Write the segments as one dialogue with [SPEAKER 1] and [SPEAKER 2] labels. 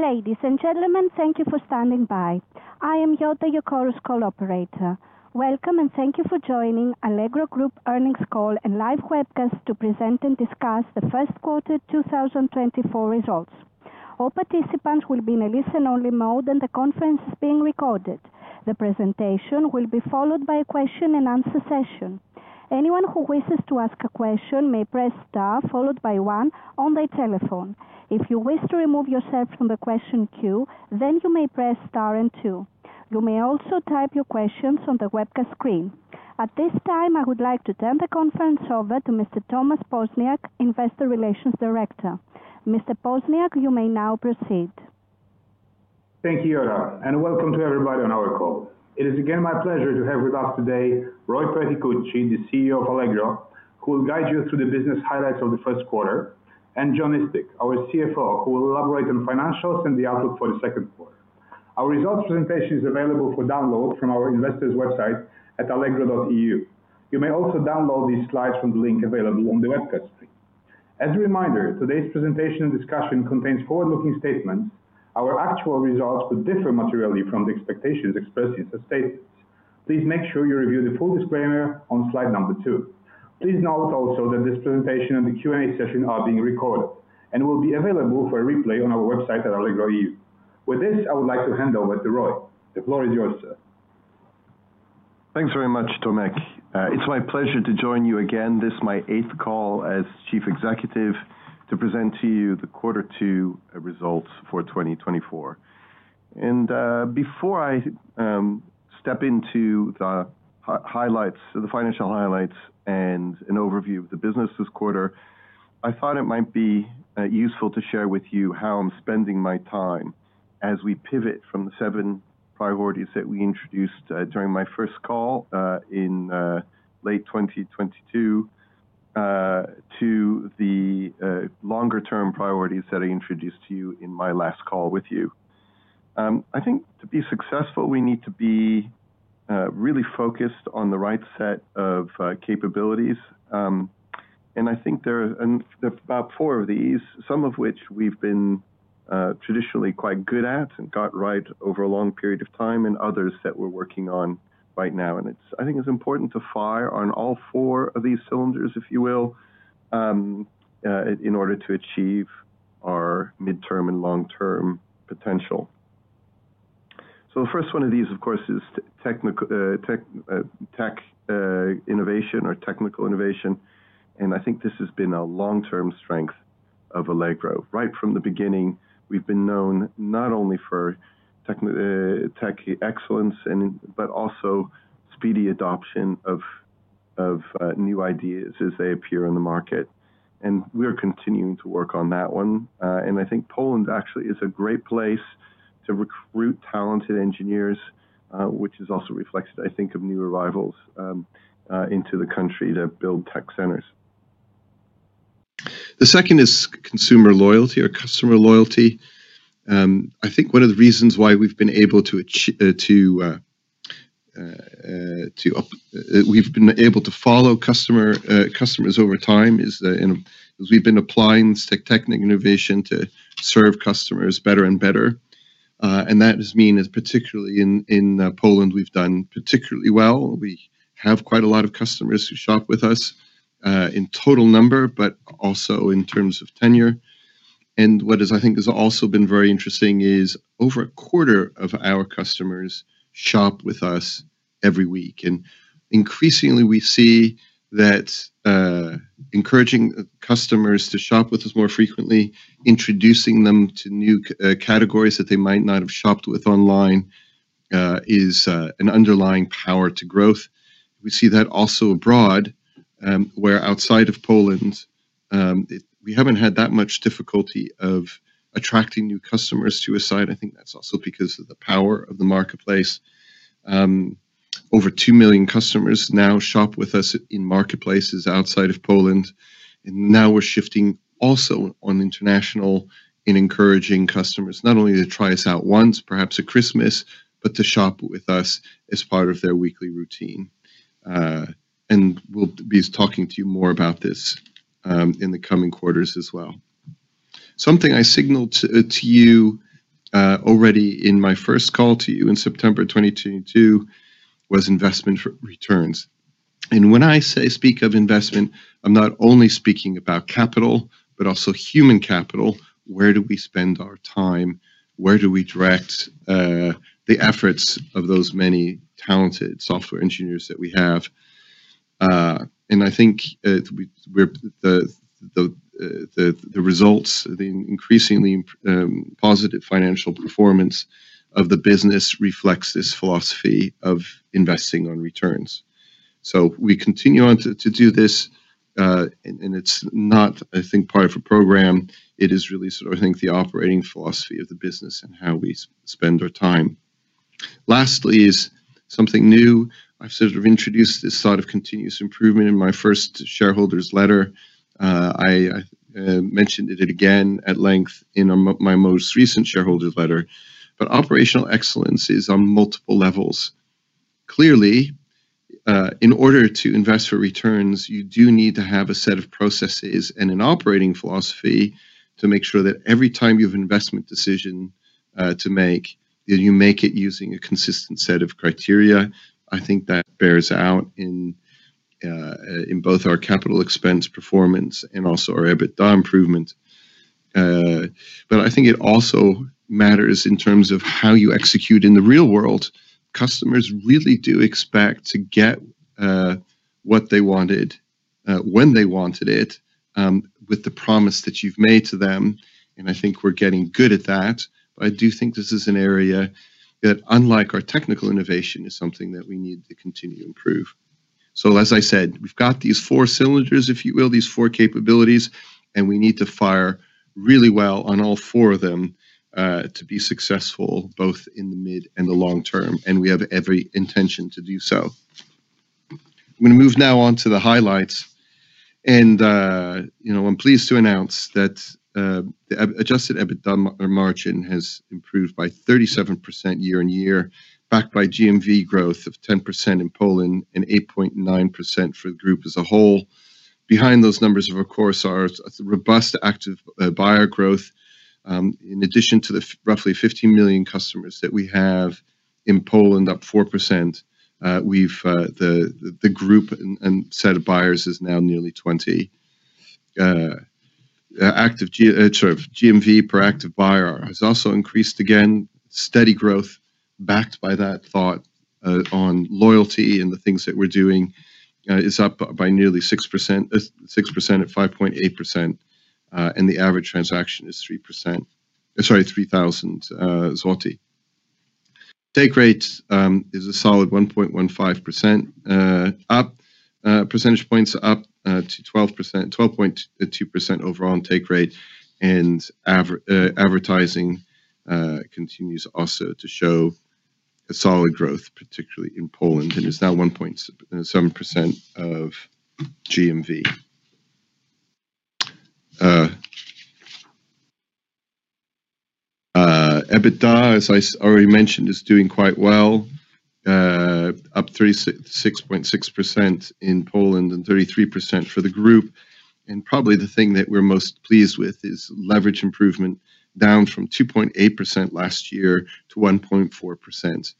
[SPEAKER 1] Ladies and gentlemen, thank you for standing by. I am Jota, your Chorus Call operator. Welcome, and thank you for joining Allegro Group's earnings call and live webcast to present and discuss the first quarter 2024 results. All participants will be in a listen-only mode, and the conference is being recorded. The presentation will be followed by a question-and-answer session. Anyone who wishes to ask a question may press star followed by 1 on their telephone. If you wish to remove yourself from the question queue, then you may press star and 2. You may also type your questions on the webcast screen. At this time, I would like to turn the conference over to Mr. Tomasz Poźniak, Investor Relations Director. Mr. Poźniak, you may now proceed.
[SPEAKER 2] Thank you, Jota, and welcome to everybody on our call. It is again my pleasure to have with us today, Roy Perticucci, the CEO of Allegro, who will guide you through the business highlights of the first quarter, and Jon Eastick, our CFO, who will elaborate on financials and the outlook for the second quarter. Our results presentation is available for download from our investors' website at allegro.eu. You may also download these slides from the link available on the webcast screen. As a reminder, today's presentation and discussion contains forward-looking statements. Our actual results could differ materially from the expectations expressed in the statements. Please make sure you review the full disclaimer on slide number two. Please note also that this presentation and the Q&A session are being recorded and will be available for a replay on our website at allegro.eu. With this, I would like to hand over to Roy. The floor is yours, sir.
[SPEAKER 3] Thanks very much, Tomek. It's my pleasure to join you again. This is my eighth call as Chief Executive, to present to you the quarter two results for 2024. Before I step into the highlights, the financial highlights and an overview of the business this quarter, I thought it might be useful to share with you how I'm spending my time as we pivot from the seven priorities that we introduced during my first call in late 2022 to the longer-term priorities that I introduced to you in my last call with you. I think to be successful, we need to be really focused on the right set of capabilities. And I think there are... There are about four of these, some of which we've been traditionally quite good at and got right over a long period of time, and others that we're working on right now, and I think it's important to fire on all four of these cylinders, if you will, in order to achieve our midterm and long-term potential. So the first one of these, of course, is tech innovation or technical innovation, and I think this has been a long-term strength of Allegro. Right from the beginning, we've been known not only for tech excellence and, but also speedy adoption of new ideas as they appear in the market, and we are continuing to work on that one. And I think Poland actually is a great place to recruit talented engineers, which is also reflected, I think, of new arrivals into the country to build tech centers. The second is consumer loyalty or customer loyalty. I think one of the reasons why we've been able to follow customers over time is, and we've been applying technical innovation to serve customers better and better, and that has meant as particularly in Poland, we've done particularly well. We have quite a lot of customers who shop with us in total number, but also in terms of tenure. And what, I think, has also been very interesting is over a quarter of our customers shop with us every week. Increasingly, we see that encouraging customers to shop with us more frequently, introducing them to new categories that they might not have shopped with online, is an underlying power to growth. We see that also abroad, where outside of Poland, we haven't had that much difficulty of attracting new customers to our site. I think that's also because of the power of the marketplace. Over 2 million customers now shop with us in marketplaces outside of Poland, and now we're shifting also on international in encouraging customers not only to try us out once, perhaps at Christmas, but to shop with us as part of their weekly routine. And we'll be talking to you more about this in the coming quarters as well. Something I signaled to you already in my first call to you in September 2022 was investment returns. And when I say, speak of investment, I'm not only speaking about capital, but also human capital. Where do we spend our time? Where do we direct the efforts of those many talented software engineers that we have? And I think the results, the increasingly positive financial performance of the business reflects this philosophy of investing on returns. So we continue to do this, and it's not, I think, part of a program. It is really sort of, I think, the operating philosophy of the business and how we spend our time. Lastly is something new. I've sort of introduced this thought of continuous improvement in my first shareholders' letter. I mentioned it again at length in our, my most recent shareholders' letter. But operational excellence is on multiple levels. Clearly, in order to invest for returns, you do need to have a set of processes and an operating philosophy to make sure that every time you have investment decision, to make, that you make it using a consistent set of criteria. I think that bears out in both our capital expense performance and also our EBITDA improvement. But I think it also matters in terms of how you execute in the real world. Customers really do expect to get what they wanted, when they wanted it, with the promise that you've made to them, and I think we're getting good at that. But I do think this is an area that, unlike our technical innovation, is something that we need to continue to improve. So, as I said, we've got these four cylinders, if you will, these four capabilities, and we need to fire really well on all four of them, to be successful, both in the mid and the long term, and we have every intention to do so. I'm gonna move now on to the highlights, and, you know, I'm pleased to announce that, the adjusted EBITDA margin has improved by 37% year-on-year, backed by GMV growth of 10% in Poland and 8.9% for the group as a whole. Behind those numbers, of course, are a robust active buyer growth. In addition to the roughly 15 million customers that we have in Poland, up 4%, we've the group and set of buyers is now nearly 20. GMV per active buyer has also increased again. Steady growth, backed by that thought on loyalty and the things that we're doing, is up by nearly 6%, 6% at 5.8%, and the average transaction is 3,000 zloty. Take rate is a solid 1.15%, up percentage points up to 12%, 12.2% overall on take rate and advertising continues also to show a solid growth, particularly in Poland, and is now 1.7% of GMV. EBITDA, as I already mentioned, is doing quite well, up 36.6% in Poland and 33% for the group. Probably the thing that we're most pleased with is leverage improvement, down from 2.8% last year to 1.4%.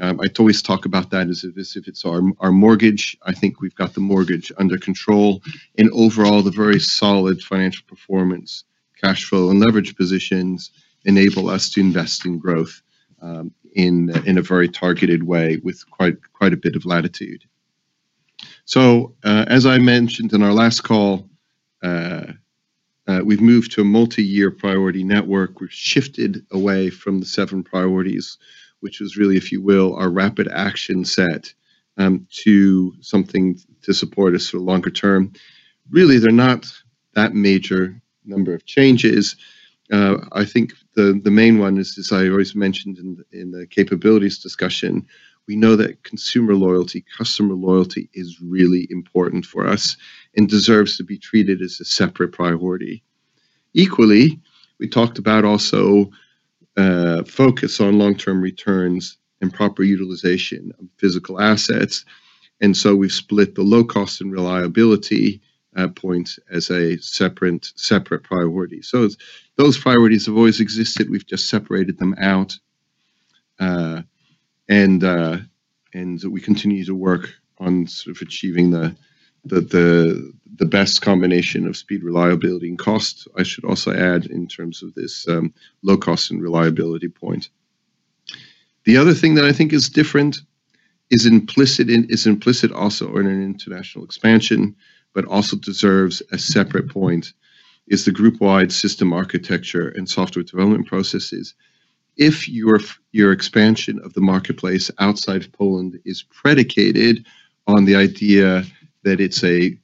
[SPEAKER 3] I always talk about that as if it's our mortgage. I think we've got the mortgage under control and overall, the very solid financial performance, cash flow, and leverage positions enable us to invest in growth, in a very targeted way, with quite a bit of latitude. So, as I mentioned in our last call, we've moved to a multi-year priority network. We've shifted away from the seven priorities, which was really, if you will, our rapid action set, to something to support us for the longer term. Really, they're not that major number of changes. I think the main one is, as I always mentioned in the capabilities discussion, we know that consumer loyalty, customer loyalty is really important for us and deserves to be treated as a separate priority. Equally, we talked about also focus on long-term returns and proper utilization of physical assets, and so we've split the low cost and reliability points as a separate priority. So those priorities have always existed, we've just separated them out, and we continue to work on sort of achieving the best combination of speed, reliability, and cost. I should also add, in terms of this, low cost and reliability point. The other thing that I think is different is implicit also in an international expansion, but also deserves a separate point, is the group-wide system architecture and software development processes. If your expansion of the marketplace outside of Poland is predicated on the idea that it's a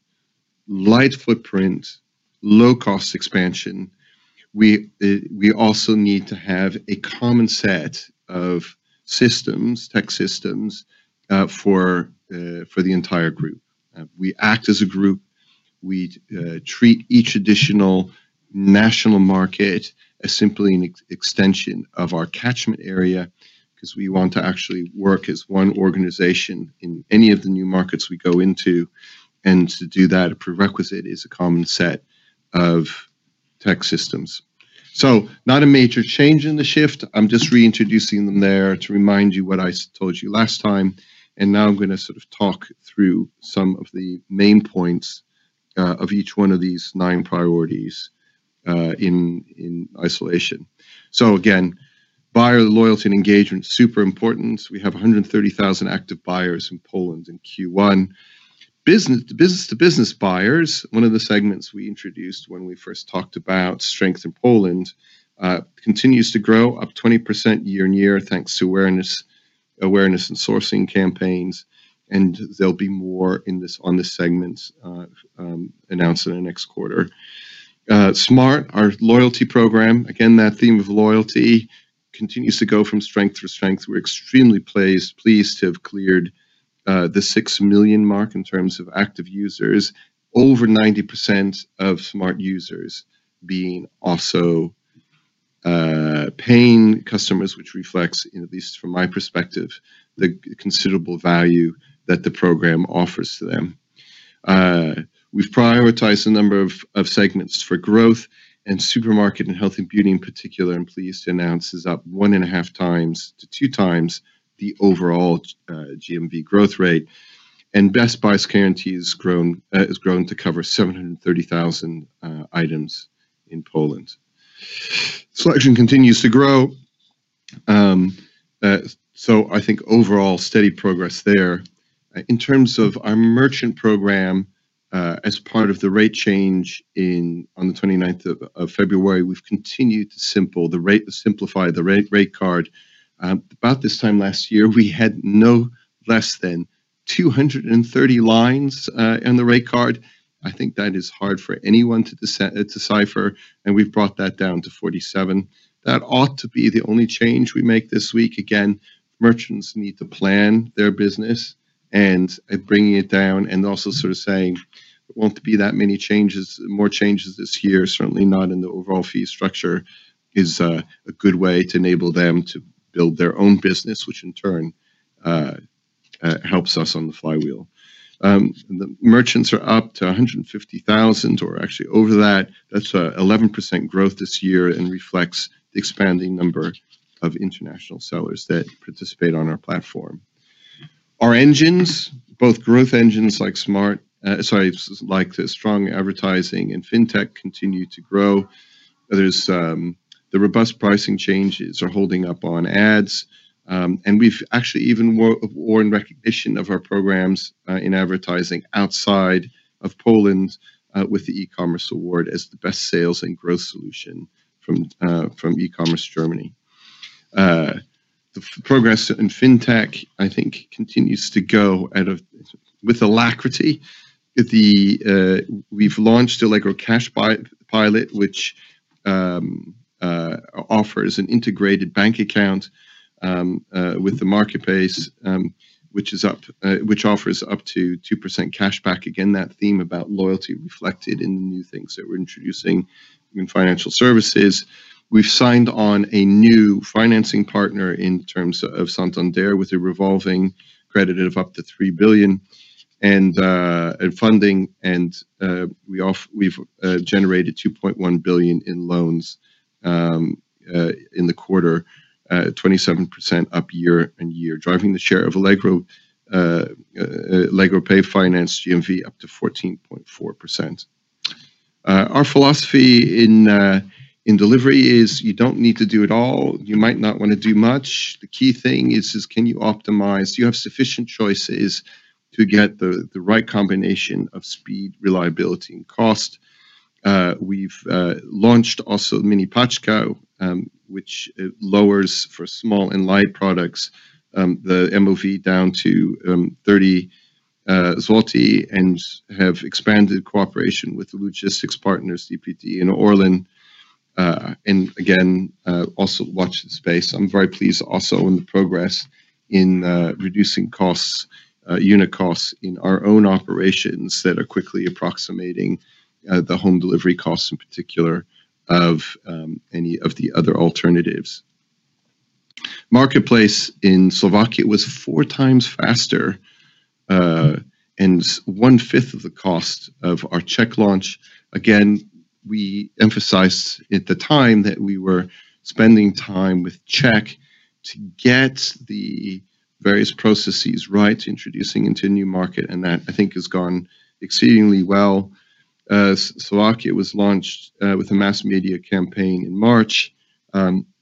[SPEAKER 3] light footprint, low-cost expansion, we, we also need to have a common set of systems, tech systems, for, for the entire group. We act as a group. We, treat each additional national market as simply an extension of our catchment area, 'cause we want to actually work as one organization in any of the new markets we go into. And to do that, a prerequisite is a common set of tech systems. So not a major change in the shift, I'm just reintroducing them there to remind you what I told you last time, and now I'm gonna sort of talk through some of the main points of each one of these nine priorities in isolation. So again, buyer loyalty and engagement, super important. We have 130,000 active buyers in Poland in Q1. Business-to-business buyers, one of the segments we introduced when we first talked about strength in Poland, continues to grow, up 20% year-on-year, thanks to awareness and sourcing campaigns, and there'll be more on this segment announced in the next quarter. Smart!, our loyalty program, again, that theme of loyalty continues to go from strength to strength. We're extremely pleased to have cleared the 6 million mark in terms of active users. Over 90% of Smart! users being also paying customers, which reflects, at least from my perspective, the considerable value that the program offers to them. We've prioritized a number of segments for growth, and supermarket and health and beauty in particular, I'm pleased to announce, is up 1.5x-2x the overall GMV growth rate. Best Price Guarantee has grown to cover 730,000 items in Poland. Selection continues to grow, so I think overall steady progress there. In terms of our merchant program, as part of the rate change on the 29th, February, we've continued to simplify the rate card. About this time last year, we had no less than 230 lines in the rate card. I think that is hard for anyone to decipher, and we've brought that down to 47. That ought to be the only change we make this week. Again, merchants need to plan their business, and bringing it down and also sort of saying, there won't be that many changes, more changes this year, certainly not in the overall fee structure, is a good way to enable them to build their own business, which in turn helps us on the flywheel. The merchants are up to 150,000, or actually over that. That's 11% growth this year and reflects the expanding number of international sellers that participate on our platform. Our engines, both growth engines, like Smart!, sorry, like strong advertising and fintech, continue to grow. There's the robust pricing changes are holding up on ads, and we've actually even won, won recognition of our programs, in advertising outside of Poland, with the E-commerce Award as the Best Sales and Growth Solution from, from E-commerce Germany. The progress in fintech, I think, continues to go out of... with alacrity. The, we've launched Allegro Cash pilot, which, offers an integrated bank account, with the marketplace, which is up, which offers up to 2% cashback. Again, that theme about loyalty reflected in the new things that we're introducing in financial services. We've signed on a new financing partner in terms of Santander, with a revolving credit of up to 3 billion, and in funding, and we've generated 2.1 billion in loans in the quarter, 27% up year-over-year, driving the share of Allegro Pay Finance GMV up to 14.4%. Our philosophy in delivery is you don't need to do it all. You might not wanna do much. The key thing is can you optimize? Do you have sufficient choices to get the right combination of speed, reliability, and cost? We've launched also Mini Paczka, which lowers for small and light products the MOV down to 30 zloty and have expanded cooperation with the logistics partners, DPD and ORLEN. And again, also watch this space. I'm very pleased also in the progress in reducing costs, unit costs in our own operations that are quickly approximating the home delivery costs in particular of any of the other alternatives. Marketplace in Slovakia was four times faster and 1/5 of the cost of our Czech launch. Again, we emphasized at the time that we were spending time with Czech to get the various processes right, introducing into a new market, and that, I think, has gone exceedingly well. Slovakia was launched with a mass media campaign in March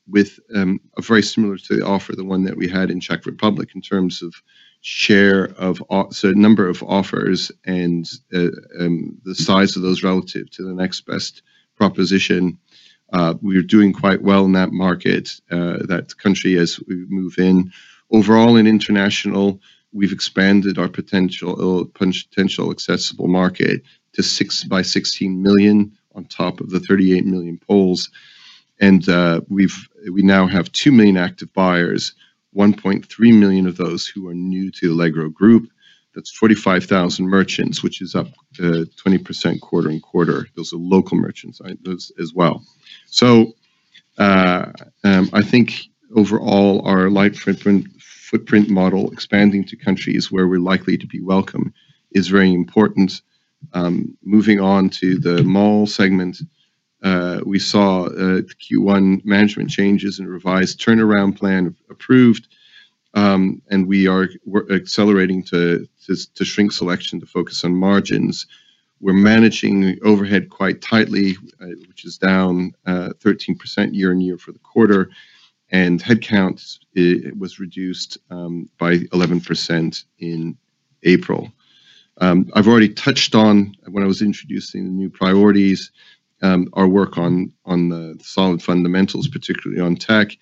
[SPEAKER 3] with a very similar to the offer, the one that we had in Czech Republic, in terms of share of off... So number of offers and the size of those relative to the next best proposition. We are doing quite well in that market, that country as we move in. Overall, in international, we've expanded our potential accessible market to 6 by 16 million, on top of the 38 million Poles. We now have 2 million active buyers, 1.3 million of those who are new to Allegro Group. That's 45,000 merchants, which is up 20% quarter-on-quarter. Those are local merchants, those as well. I think overall, our light footprint model, expanding to countries where we're likely to be welcome, is very important. Moving on to the Mall segment, we saw the Q1 management changes and revised turnaround plan approved, and we are accelerating to shrink selection to focus on margins. We're managing overhead quite tightly, which is down 13% year-on-year for the quarter, and headcount was reduced by 11% in April. I've already touched on, when I was introducing the new priorities, our work on the solid fundamentals, particularly on tech,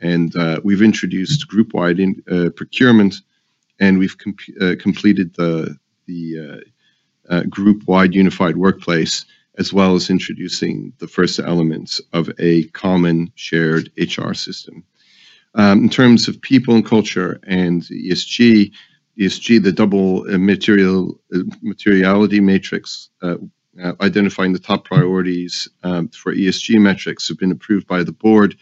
[SPEAKER 3] and we've introduced group-wide procurement, and we've completed the group-wide unified workplace, as well as introducing the first elements of a common shared HR system. In terms of people and culture and ESG, the double materiality matrix identifying the top priorities for ESG metrics have been approved by the board.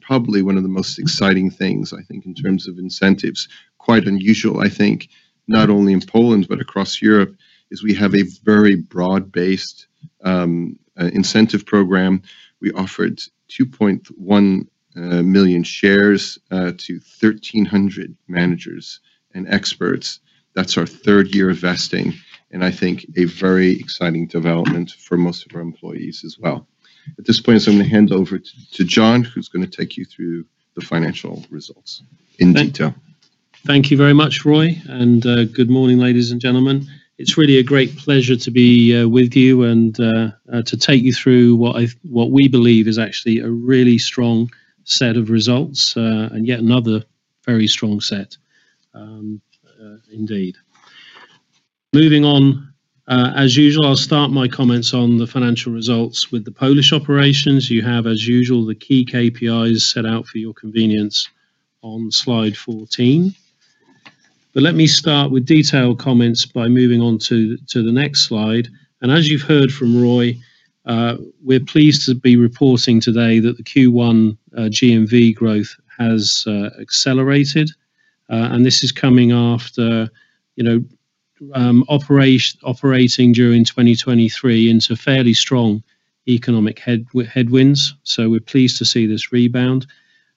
[SPEAKER 3] Probably one of the most exciting things, I think, in terms of incentives, quite unusual, I think, not only in Poland but across Europe, is we have a very broad-based incentive program. We offered 2.1 million shares to 1,300 managers and experts. That's our third year of vesting, and I think a very exciting development for most of our employees as well. At this point, I'm just gonna hand over to Jon, who's gonna take you through the financial results in detail.
[SPEAKER 4] Thank you very much, Roy, and good morning, ladies and gentlemen. It's really a great pleasure to be with you and to take you through what we believe is actually a really strong set of results and yet another very strong set, indeed. Moving on, as usual, I'll start my comments on the financial results with the Polish operations. You have, as usual, the key KPIs set out for your convenience on slide 14. Let me start with detailed comments by moving on to the next slide, and as you've heard from Roy, we're pleased to be reporting today that the Q1 GMV growth has accelerated. This is coming after, you know, operating during 2023 into fairly strong economic headwinds, so we're pleased to see this rebound.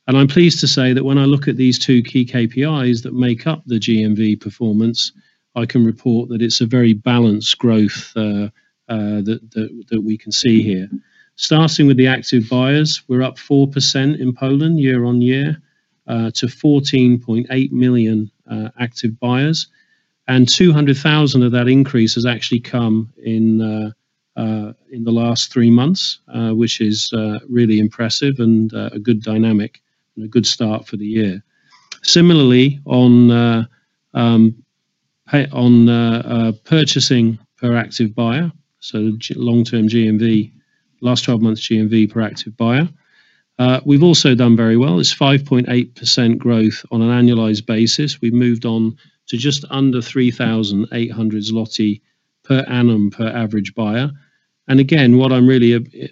[SPEAKER 4] I'm pleased to say that when I look at these two key KPIs that make up the GMV performance, I can report that it's a very balanced growth that we can see here. Starting with the active buyers, we're up 4% in Poland year-on-year to 14.8 million active buyers, and 200,000 of that increase has actually come in the last three months, which is really impressive and a good dynamic, and a good start for the year. Similarly, on purchasing per active buyer, so long-term GMV, last 12 months GMV per active buyer, we've also done very well. It's 5.8% growth on an annualized basis. We've moved on to just under 3,800 zloty per annum per average buyer. And again, what I'm really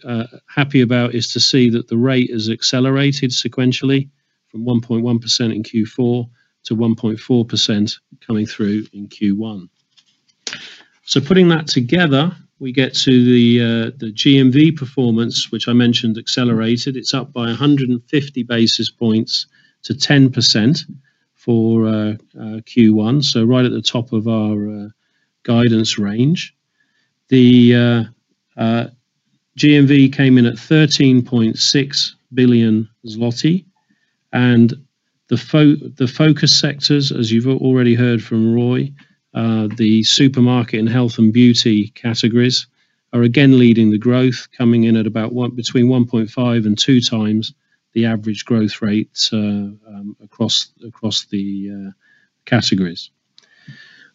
[SPEAKER 4] happy about is to see that the rate has accelerated sequentially from 1.1% in Q4 to 1.4% coming through in Q1. So putting that together, we get to the GMV performance, which I mentioned accelerated. It's up by 150 basis points to 10% for Q1, so right at the top of our guidance range. The GMV came in at 13.6 billion zloty, and the fo... The focus sectors, as you've already heard from Roy, the supermarket and health and beauty categories, are again leading the growth, coming in at about between 1.5x and 2x the average growth rate, across the categories.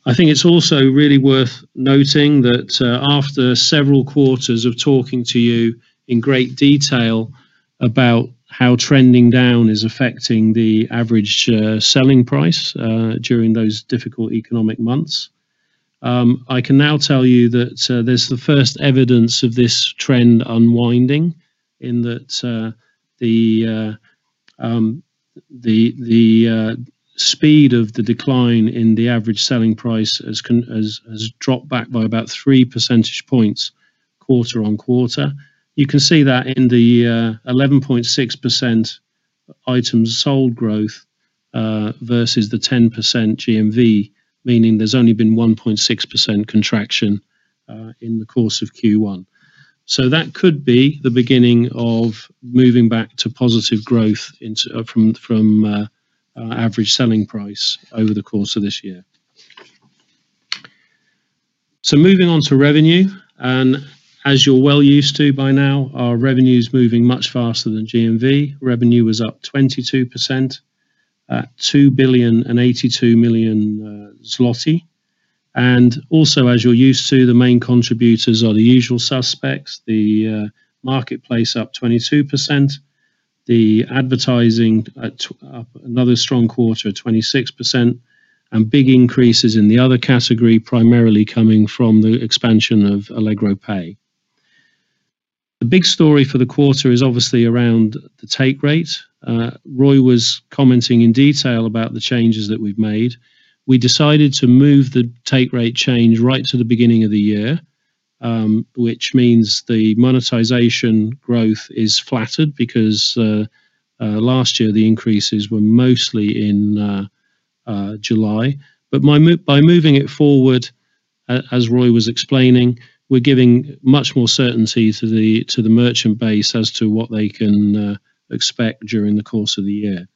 [SPEAKER 4] I think it's also really worth noting that, after several quarters of talking to you in great detail about how trending down is affecting the average selling price, during those difficult economic months, I can now tell you that, there's the first evidence of this trend unwinding in that, the speed of the decline in the average selling price has dropped back by about 3 percentage points, quarter-on-quarter. You can see that in the 11.6% items sold growth versus the 10% GMV, meaning there's only been 1.6% contraction in the course of Q1. So that could be the beginning of moving back to positive growth into average selling price over the course of this year. So moving on to revenue, and as you're well used to by now, our revenue is moving much faster than GMV. Revenue was up 22% at 2.082 billion. Also, as you're used to, the main contributors are the usual suspects, the marketplace up 22%, the advertising, another strong quarter, 26%, and big increases in the other category, primarily coming from the expansion of Allegro Pay. The big story for the quarter is obviously around the take rate. Roy was commenting in detail about the changes that we've made. We decided to move the take rate change right to the beginning of the year, which means the monetization growth is flattered because last year, the increases were mostly in July. By moving it forward, as Roy was explaining, we're giving much more certainty to the merchant base as to what they can expect during the course of the year.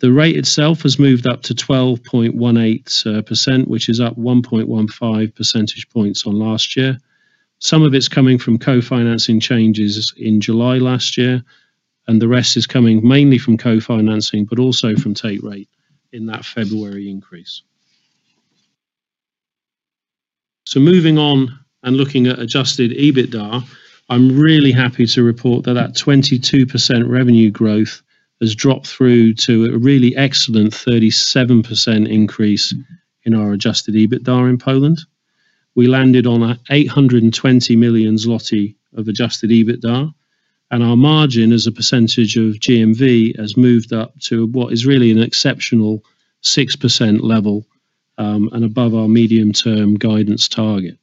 [SPEAKER 4] The rate itself has moved up to 12.18%, which is up 1.15 percentage points on last year. Some of it's coming from co-financing changes in July last year, and the rest is coming mainly from co-financing, but also from take rate in that February increase. So moving on and looking at adjusted EBITDA, I'm really happy to report that that 22% revenue growth has dropped through to a really excellent 37% increase in our adjusted EBITDA in Poland. We landed on 820 million zloty of adjusted EBITDA, and our margin as a percentage of GMV has moved up to what is really an exceptional 6% level, and above our medium-term guidance target. I've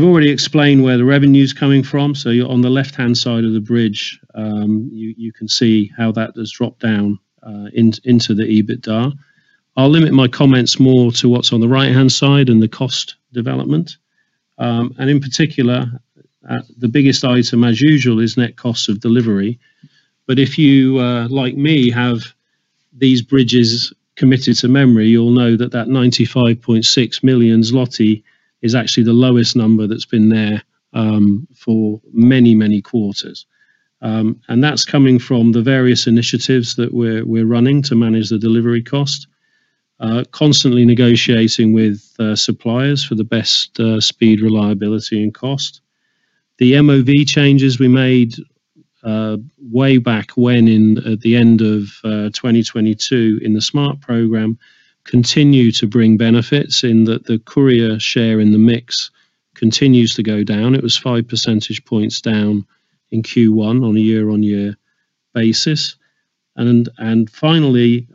[SPEAKER 4] already explained where the revenue's coming from, so you're on the left-hand side of the bridge, you can see how that has dropped down into the EBITDA. I'll limit my comments more to what's on the right-hand side and the cost development. In particular, the biggest item, as usual, is net cost of delivery. But if you, like me, have these figures committed to memory, you'll know that 95.6 million zloty is actually the lowest number that's been there for many, many quarters. And that's coming from the various initiatives that we're, we're running to manage the delivery cost. Constantly negotiating with suppliers for the best speed, reliability, and cost. The MOV changes we made way back when in, at the end of 2022 in the Smart! program, continue to bring benefits in that the courier share in the mix continues to go down. It was 5 percentage points down in Q1 on a year-on-year basis. Finally,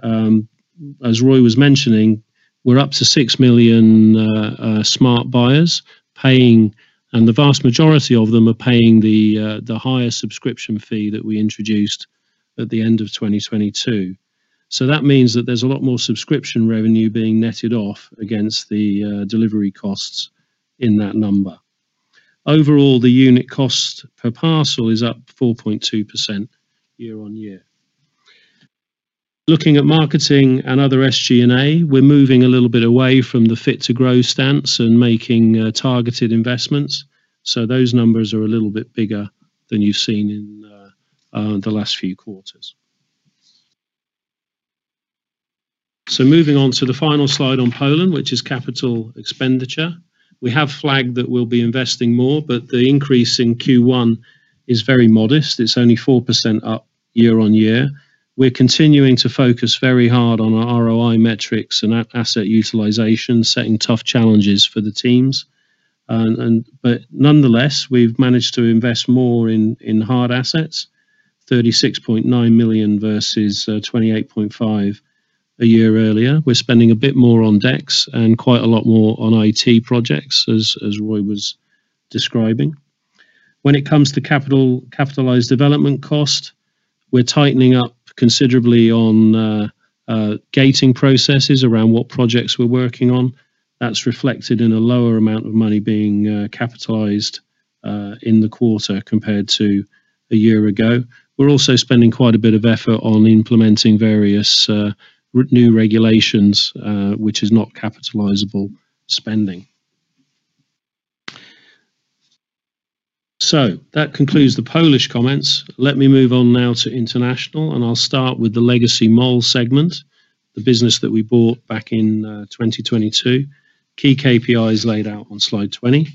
[SPEAKER 4] as Roy was mentioning, we're up to 6 million Smart! buyers paying, and the vast majority of them are paying the higher subscription fee that we introduced at the end of 2022. So that means that there's a lot more subscription revenue being netted off against the delivery costs in that number. Overall, the unit cost per parcel is up 4.2% year-on-year. Looking at marketing and other SG&A, we're moving a little bit away from the Fit to Grow stance and making targeted investments, so those numbers are a little bit bigger than you've seen in the last few quarters. So moving on to the final slide on Poland, which is capital expenditure. We have flagged that we'll be investing more, but the increase in Q1 is very modest. It's only 4% up year-on-year. We're continuing to focus very hard on our ROI metrics and asset utilization, setting tough challenges for the teams. But nonetheless, we've managed to invest more in hard assets, 36.9 million versus 28.5 million a year earlier. We're spending a bit more on DCs and quite a lot more on IT projects, as Roy was describing. When it comes to capitalized development cost, we're tightening up considerably on gating processes around what projects we're working on. That's reflected in a lower amount of money being capitalized in the quarter compared to a year ago. We're also spending quite a bit of effort on implementing various new regulations, which is not capitalizable spending. So that concludes the Polish comments. Let me move on now to international, and I'll start with the legacy Mall segment, the business that we bought back in 2022. Key KPI is laid out on slide 20.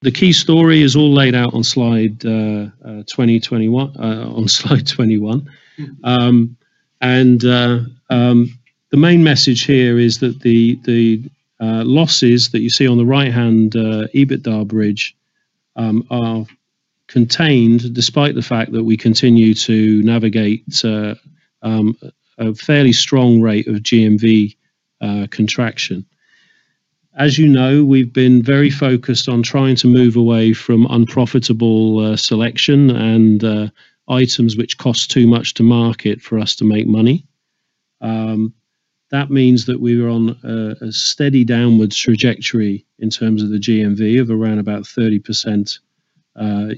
[SPEAKER 4] The key story is all laid out on slide 21. And the main message here is that the losses that you see on the right-hand EBITDA bridge are contained, despite the fact that we continue to navigate a fairly strong rate of GMV contraction. As you know, we've been very focused on trying to move away from unprofitable selection and items which cost too much to market for us to make money. That means that we were on a steady downward trajectory in terms of the GMV of around about 30%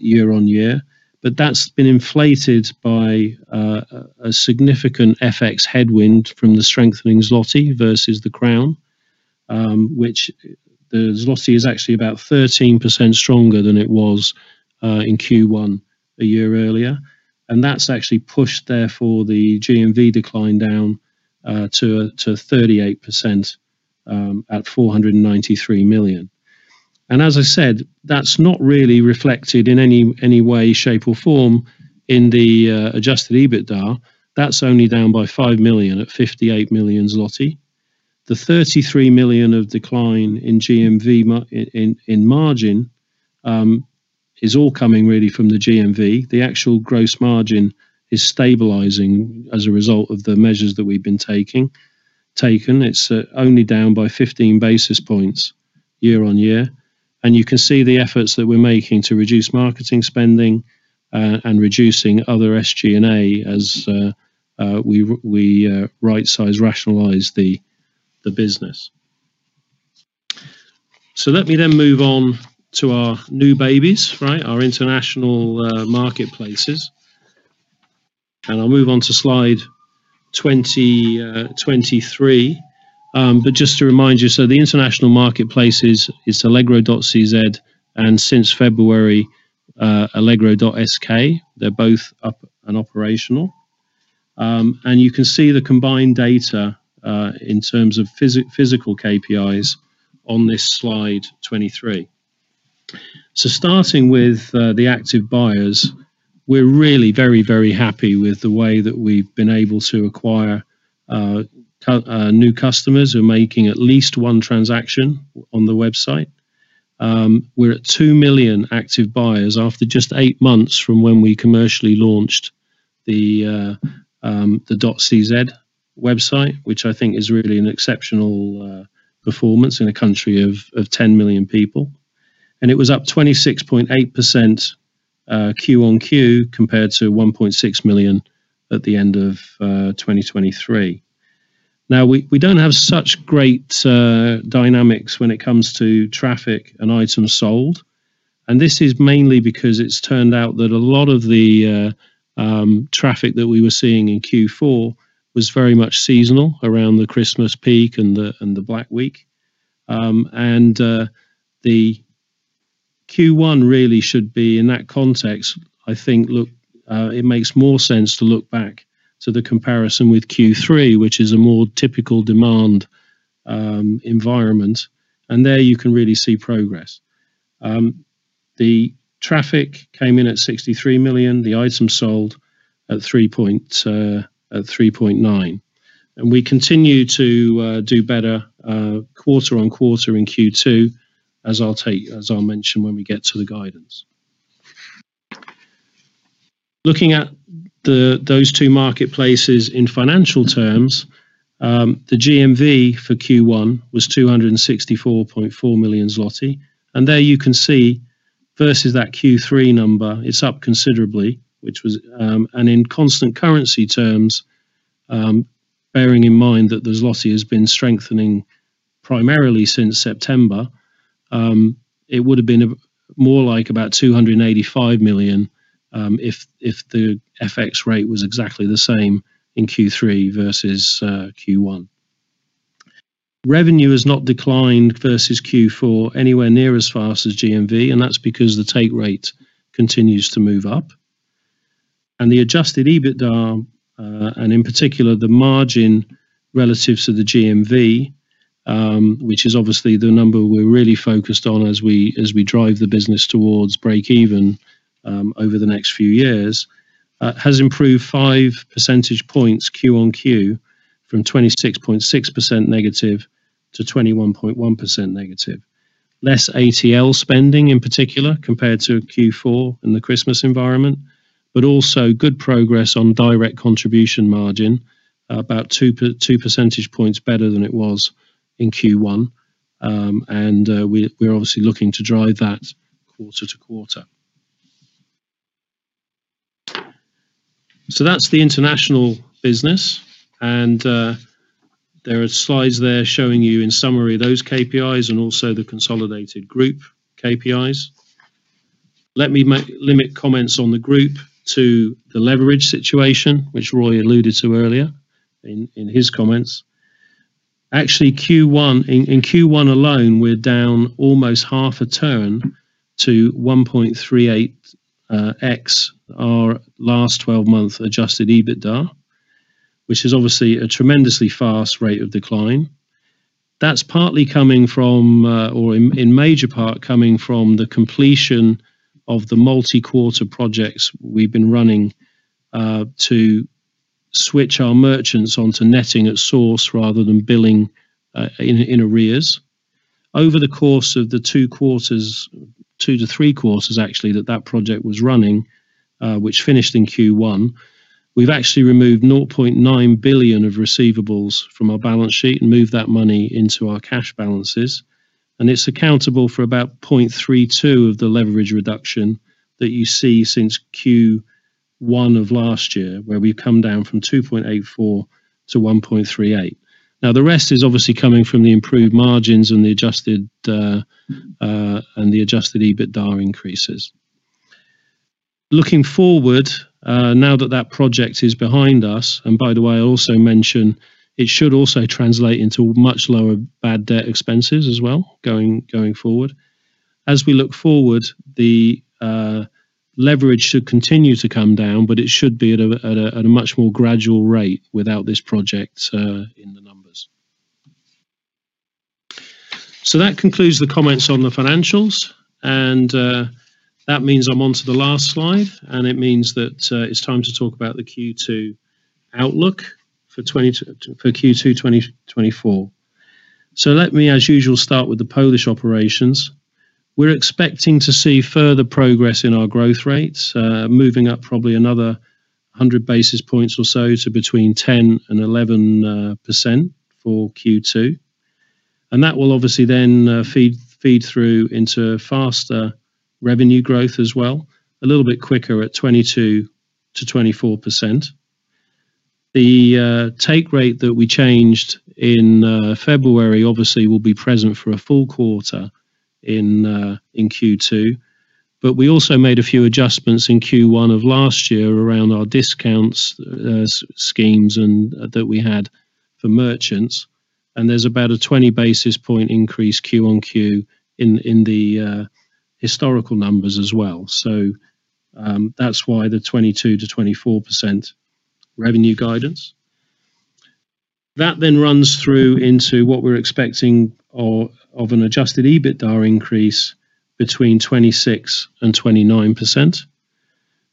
[SPEAKER 4] year-on-year. But that's been inflated by a significant FX headwind from the strengthening Zloty versus the Crown, which the Zloty is actually about 13% stronger than it was in Q1 a year earlier. And that's actually pushed, therefore, the GMV decline down to 38% at 493 million. And as I said, that's not really reflected in any way, shape, or form in the adjusted EBITDA. That's only down by 5 million at 58 million Zloty. The 33 million of decline in GMV margin is all coming really from the GMV. The actual gross margin is stabilizing as a result of the measures that we've taken. It's only down by 15 basis points year-on-year, and you can see the efforts that we're making to reduce marketing spending, and reducing other SG&A as we right-size rationalize the business. So let me then move on to our new babies, right? Our international marketplaces. And I'll move on to slide 23. But just to remind you, so the international marketplaces is allegro.cz, and since February, allegro.sk. They're both up and operational. And you can see the combined data in terms of physical KPIs on this slide 23. So starting with the active buyers, we're really very, very happy with the way that we've been able to acquire new customers who are making at least one transaction on the website. We're at 2 million active buyers after just 8 months from when we commercially launched the .cz website, which I think is really an exceptional performance in a country of 10 million people. It was up 26.8% QoQ, compared to 1.6 million at the end of 2023. Now, we don't have such great dynamics when it comes to traffic and items sold, and this is mainly because it's turned out that a lot of the traffic that we were seeing in Q4 was very much seasonal around the Christmas peak and the Black Week. And, the Q1 really should be in that context, I think, look, it makes more sense to look back to the comparison with Q3, which is a more typical demand environment, and there you can really see progress. The traffic came in at 63 million, the items sold at 3.9. And we continue to do better quarter-on-quarter in Q2, as I'll mention when we get to the guidance. Looking at those two marketplaces in financial terms, the GMV for Q1 was 264.4 million zloty. There you can see, versus that Q3 number, it's up considerably, which was, and in constant currency terms, bearing in mind that the Zloty has been strengthening primarily since September, it would have been more like about 285 million, if the FX rate was exactly the same in Q3 versus Q1. Revenue has not declined versus Q4, anywhere near as fast as GMV, and that's because the take rate continues to move up. The adjusted EBITDA, and in particular, the margin relative to the GMV, which is obviously the number we're really focused on as we drive the business towards break-even, over the next few years, has improved 5 percentage points QoQ, from -26.6% to -21.1%. Less ATL spending, in particular, compared to Q4 in the Christmas environment, but also good progress on direct contribution margin, about 2 percentage points better than it was in Q1. And we're obviously looking to drive that quarter-to-quarter. So that's the international business, and there are slides there showing you in summary those KPIs and also the consolidated group KPIs. Let me limit comments on the group to the leverage situation, which Roy alluded to earlier in his comments. Actually, in Q1 alone, we're down almost 0.5 a turn to 1.38x our last 12-month adjusted EBITDA, which is obviously a tremendously fast rate of decline. That's partly coming from, or in major part, coming from the completion of the multi-quarter projects we've been running, to switch our merchants onto netting at source rather than billing in arrears. Over the course of the two quarters, 2-3 quarters, actually, that project was running, which finished in Q1, we've actually removed 0.9 billion of receivables from our balance sheet and moved that money into our cash balances, and it's accountable for about 0.32x of the leverage reduction that you see since Q1 of last year, where we've come down from 2.84x to 1.38x. Now, the rest is obviously coming from the improved margins and the adjusted, and the adjusted EBITDA increases. Looking forward, now that that project is behind us, and by the way, I also mention it should also translate into much lower bad debt expenses as well, going forward. As we look forward, the leverage should continue to come down, but it should be at a much more gradual rate without this project in the numbers. So that concludes the comments on the financials, and that means I'm on to the last slide, and it means that it's time to talk about the Q2 outlook for Q2 2024. So let me, as usual, start with the Polish operations. We're expecting to see further progress in our growth rates, moving up probably another 100 basis points or so, to between 10% and 11% for Q2. That will obviously then feed through into faster revenue growth as well, a little bit quicker at 22%-24%. The take rate that we changed in February, obviously, will be present for a full quarter in Q2, but we also made a few adjustments in Q1 of last year around our discount schemes and that we had for merchants, and there's about a 20 basis point increase QoQ in the historical numbers as well. So that's why the 22%-24% revenue guidance. That then runs through into what we're expecting of an Adjusted EBITDA increase between 26% and 29%.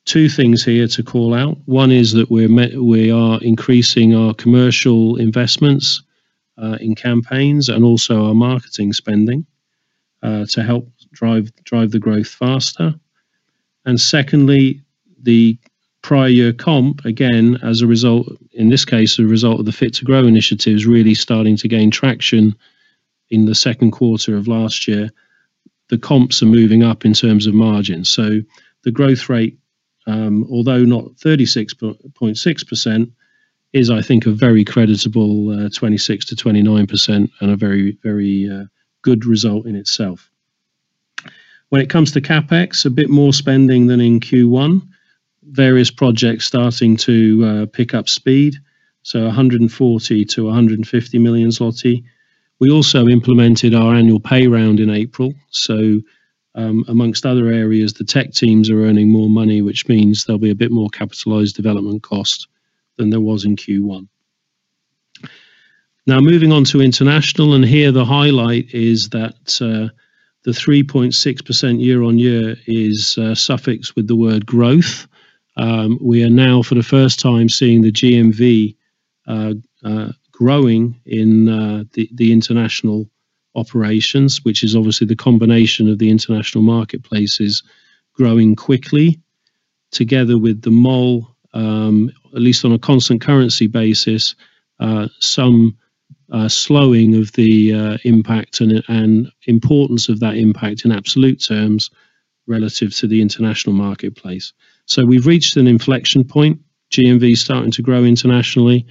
[SPEAKER 4] Two things here to call out, one is that we are increasing our commercial investments in campaigns and also our marketing spending to help drive the growth faster. Secondly, the prior year comp, again, as a result, in this case, a result of the Fit to Grow initiative, is really starting to gain traction in the second quarter of last year. The comps are moving up in terms of margins. So the growth rate, although not 36.6%, is, I think, a very creditable 26%-29% and a very, very good result in itself. When it comes to CapEx, a bit more spending than in Q1. Various projects starting to pick up speed, so 140 million-150 million zloty. We also implemented our annual pay round in April, so amongst other areas, the tech teams are earning more money, which means there'll be a bit more capitalized development cost than there was in Q1. Now, moving on to international, and here the highlight is that the 3.6% year-on-year is suffixed with the word growth. We are now, for the first time, seeing the GMV growing in the international operations, which is obviously the combination of the international marketplaces growing quickly, together with the mall, at least on a constant currency basis, some slowing of the impact and importance of that impact in absolute terms relative to the international marketplace. So we've reached an inflection point. GMV is starting to grow internationally,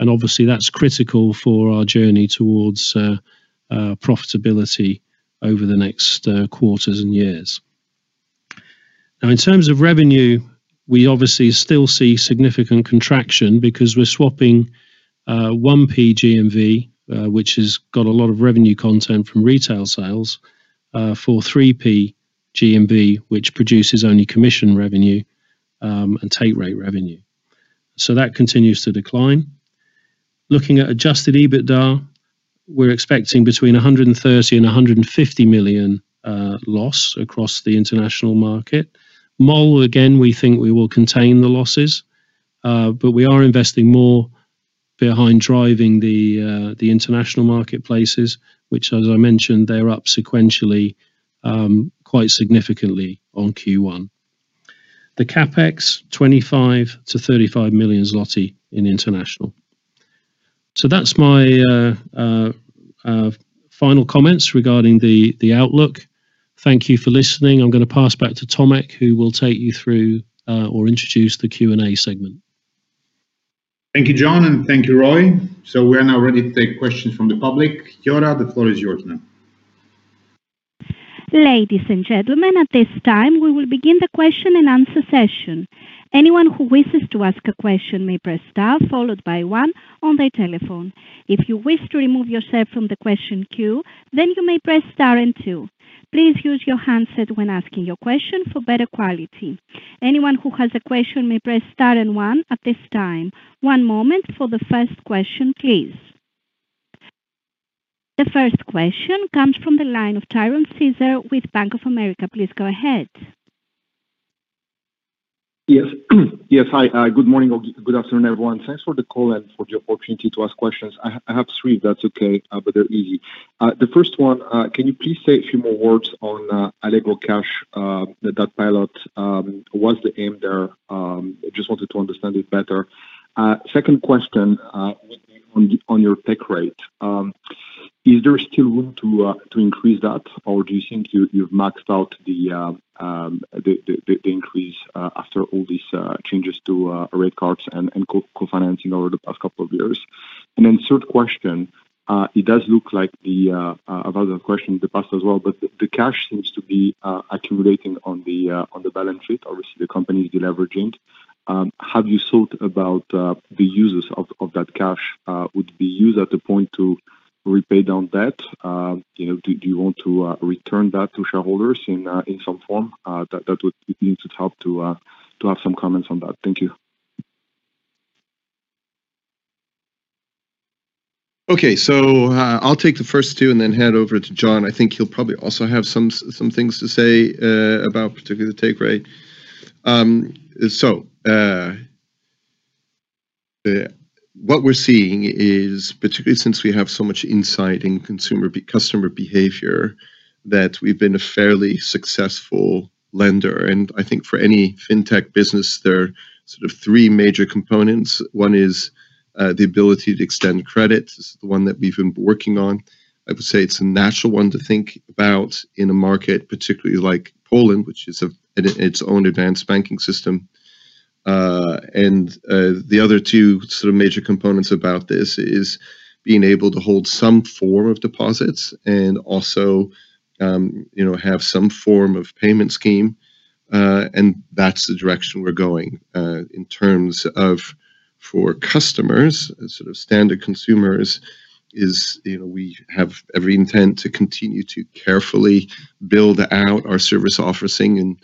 [SPEAKER 4] and obviously, that's critical for our journey towards profitability over the next quarters and years. Now, in terms of revenue, we obviously still see significant contraction because we're swapping 1P GMV, which has got a lot of revenue content from retail sales for 3P GMV, which produces only commission revenue and take rate revenue. So that continues to decline. Looking at adjusted EBITDA, we're expecting between 130 million and 150 million loss across the international markets. Mall, again, we think we will contain the losses but we are investing more behind driving the international marketplaces, which, as I mentioned, they're up sequentially quite significantly on Q1. The CapEx, 25 million-35 million zloty in international. So that's my final comments regarding the outlook. Thank you for listening. I'm gonna pass back to Tomasz, who will take you through or introduce the Q&A segment.
[SPEAKER 2] Thank you, Jon, and thank you, Roy. We are now ready to take questions from the public. Jota, the floor is yours now.
[SPEAKER 1] Ladies and gentlemen, at this time, we will begin the question-and-answer session. Anyone who wishes to ask a question may press star, followed by one on their telephone. If you wish to remove yourself from the question queue, then you may press star and two. Please use your handset when asking your question for better quality. Anyone who has a question may press star and one at this time. One moment for the first question, please. The first question comes from the line of Cesar Tiron with Bank of America. Please go ahead.
[SPEAKER 5] Yes. Yes, hi. Good morning or good afternoon, everyone. Thanks for the call and for the opportunity to ask questions. I have three, if that's okay, but they're easy. The first one, can you please say a few more words on Allegro Cash, that pilot? What's the aim there? I just wanted to understand it better. Second question, on your take rate, is there still room to increase that, or do you think you've maxed out the increase after all these changes to rate cards and co-financing over the past couple of years? And then third question, it does look like the, I've asked that question in the past as well, but the cash seems to be accumulating on the on the balance sheet. Obviously, the company is de-leveraging. Have you thought about the uses of that cash? Would be used at the point to repay down debt? You know, do you want to return that to shareholders in some form? That would... It would help to have some comments on that. Thank you.
[SPEAKER 3] Okay, so, I'll take the first two and then hand over to Jon. I think he'll probably also have some things to say about particularly the take rate. So, what we're seeing is, particularly since we have so much insight in consumer customer behavior, that we've been a fairly successful lender, and I think for any fintech business, there are sort of three major components. One is the ability to extend credit. This is the one that we've been working on. I would say it's a natural one to think about in a market, particularly like Poland, which is a, in its own advanced banking system. And the other two sort of major components about this is being able to hold some form of deposits and also, you know, have some form of payment scheme.... and that's the direction we're going. In terms of for customers, and sort of standard consumers, is, you know, we have every intent to continue to carefully build out our service offering and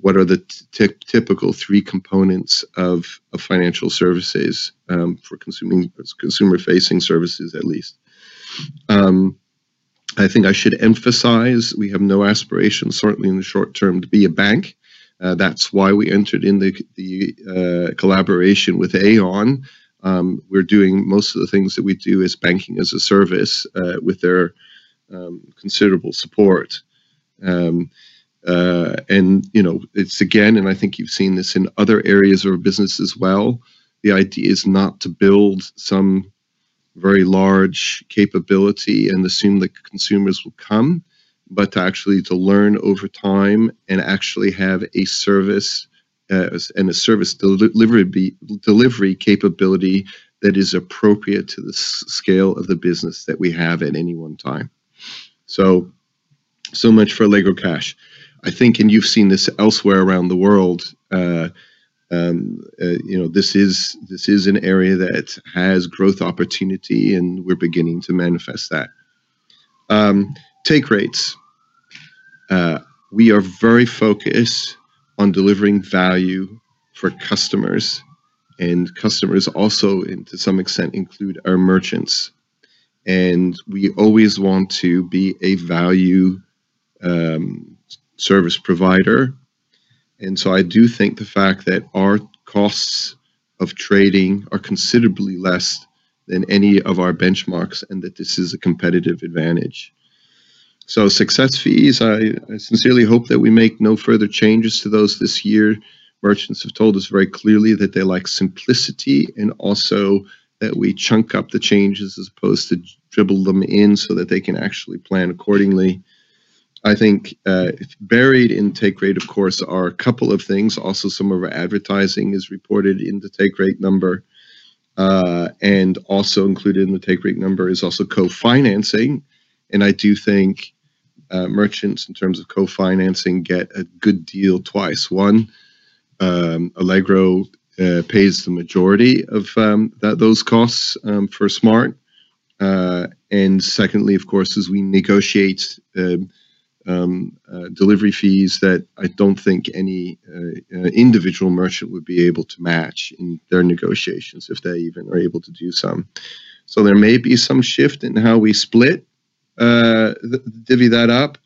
[SPEAKER 3] what are the typical three components of financial services for consumer-facing services at least. I think I should emphasize, we have no aspiration, certainly in the short term, to be a bank. That's why we entered into the collaboration with Aion. We're doing most of the things that we do as banking as a service with their considerable support. And, you know, it's, again, and I think you've seen this in other areas of our business as well, the idea is not to build some very large capability and assume the consumers will come, but to actually learn over time and actually have a service and a service delivery capability that is appropriate to the scale of the business that we have at any one time. So much for Allegro Cash. I think, and you've seen this elsewhere around the world, you know, this is an area that has growth opportunity, and we're beginning to manifest that. Take rates. We are very focused on delivering value for customers, and customers also, and to some extent, include our merchants. And we always want to be a value service provider, and so I do think the fact that our costs of trading are considerably less than any of our benchmarks, and that this is a competitive advantage. So success fees, I sincerely hope that we make no further changes to those this year. Merchants have told us very clearly that they like simplicity, and also that we chunk up the changes as opposed to dribble them in, so that they can actually plan accordingly. I think buried in take rate, of course, are a couple of things. Also, some of our advertising is reported in the take rate number. And also included in the take rate number is also co-financing, and I do think merchants, in terms of co-financing, get a good deal twice. One, Allegro pays the majority of those costs for Smart!. And secondly, of course, as we negotiate delivery fees, that I don't think any individual merchant would be able to match in their negotiations, if they even are able to do some. So there may be some shift in how we split divvy that up,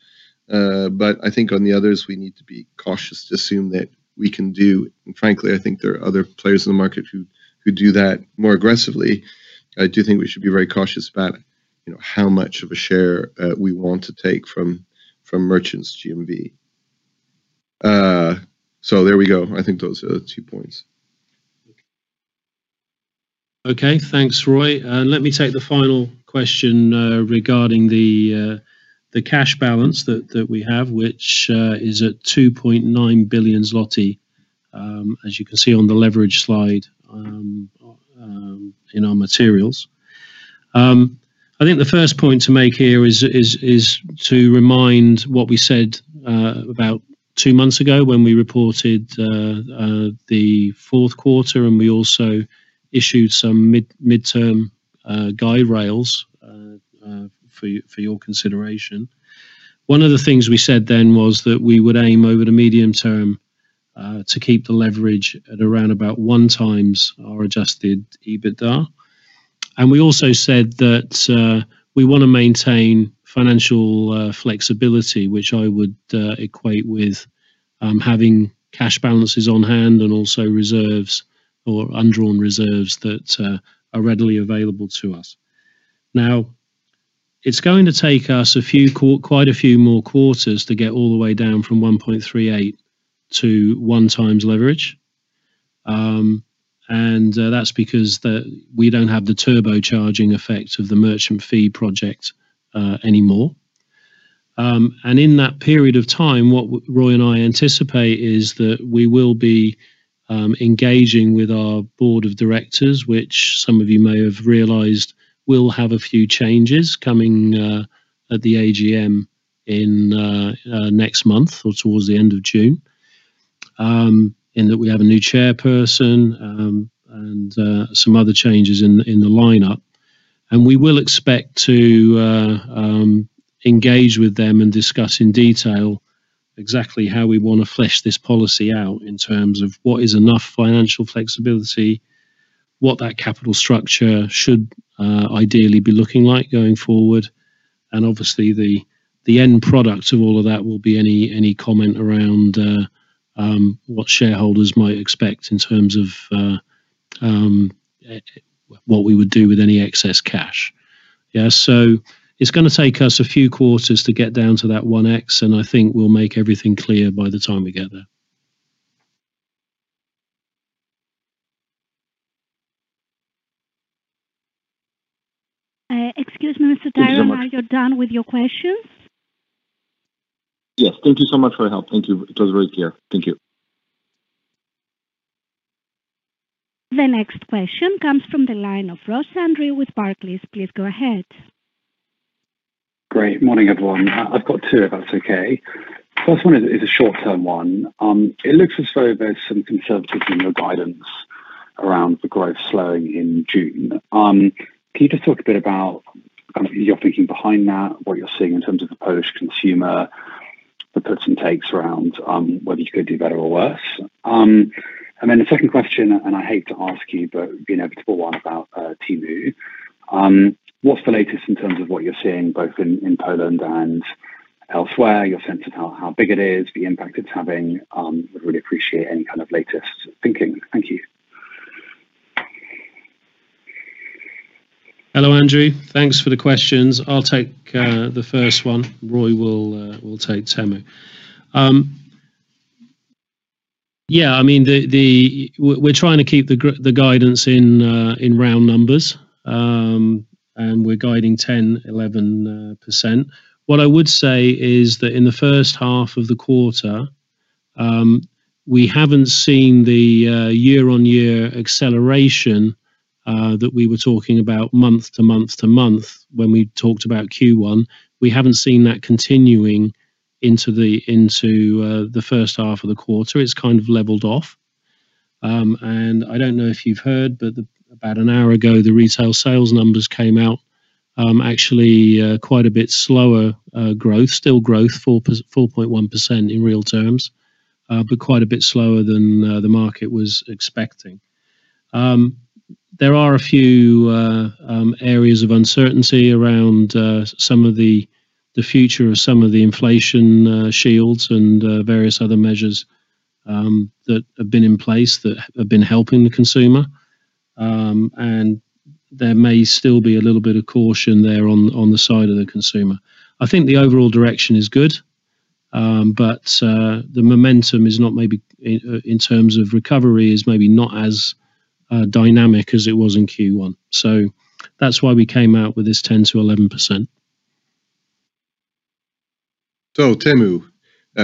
[SPEAKER 3] but I think on the others, we need to be cautious to assume that we can do... And frankly, I think there are other players in the market who do that more aggressively. I do think we should be very cautious about, you know, how much of a share we want to take from merchants' GMV. So there we go. I think those are the two points.
[SPEAKER 4] Okay, thanks, Roy. Let me take the final question regarding the cash balance that we have, which is at 2.9 billion zloty, as you can see on the leverage slide in our materials. I think the first point to make here is to remind what we said about two months ago when we reported the fourth quarter, and we also issued some mid-term guide rails for your consideration. One of the things we said then was that we would aim over the medium term to keep the leverage at around about 1x our adjusted EBITDA. We also said that we wanna maintain financial flexibility, which I would equate with having cash balances on hand and also reserves or undrawn reserves that are readily available to us. Now, it's going to take us quite a few more quarters to get all the way down from 1.38x to 1x leverage. And that's because we don't have the turbocharging effect of the merchant fee project anymore. And in that period of time, what Roy and I anticipate is that we will be engaging with our board of directors, which some of you may have realized will have a few changes coming at the AGM in next month or towards the end of June. In that we have a new chairperson, and some other changes in the lineup. And we will expect to engage with them and discuss in detail exactly how we wanna flesh this policy out, in terms of what is enough financial flexibility, what that capital structure should ideally be looking like going forward. And obviously, the end product of all of that will be any comment around what shareholders might expect in terms of what we would do with any excess cash. Yeah, so it's gonna take us a few quarters to get down to that 1x, and I think we'll make everything clear by the time we get there.
[SPEAKER 1] Excuse me, Mr. Tiron-
[SPEAKER 5] Thank you so much.
[SPEAKER 1] Are you done with your questions?
[SPEAKER 5] Yes, thank you so much for your help. Thank you. It was very clear. Thank you....
[SPEAKER 1] The next question comes from the line of Ross Andrew with Barclays. Please go ahead.
[SPEAKER 6] Great. Morning, everyone. I've got two, if that's okay. First one is a short-term one. It looks as though there's some conservatism in your guidance around the growth slowing in June. Can you just talk a bit about kind of your thinking behind that, what you're seeing in terms of the Polish consumer, the puts and takes around whether you could do better or worse? And then the second question, and I hate to ask you, but the inevitable one about Temu. What's the latest in terms of what you're seeing, both in Poland and elsewhere? Your sense of how big it is, the impact it's having. Would really appreciate any kind of latest thinking. Thank you.
[SPEAKER 4] Hello, Andrew. Thanks for the questions. I'll take the first one. Roy will take Temu. Yeah, I mean, we're trying to keep the guidance in round numbers. And we're guiding 10%-11%. What I would say is that in the first half of the quarter, we haven't seen the year-on-year acceleration that we were talking about month to month to month when we talked about Q1. We haven't seen that continuing into the first half of the quarter. It's kind of leveled off. And I don't know if you've heard, but about an hour ago, the retail sales numbers came out, actually, quite a bit slower growth. Still growth, four per... 4.1% in real terms, but quite a bit slower than the market was expecting. There are a few areas of uncertainty around some of the future of some of the inflation shields and various other measures that have been in place, that have been helping the consumer. And there may still be a little bit of caution there on the side of the consumer. I think the overall direction is good, but the momentum is not maybe in terms of recovery, is maybe not as dynamic as it was in Q1. So that's why we came out with this 10%-11%.
[SPEAKER 3] So Temu,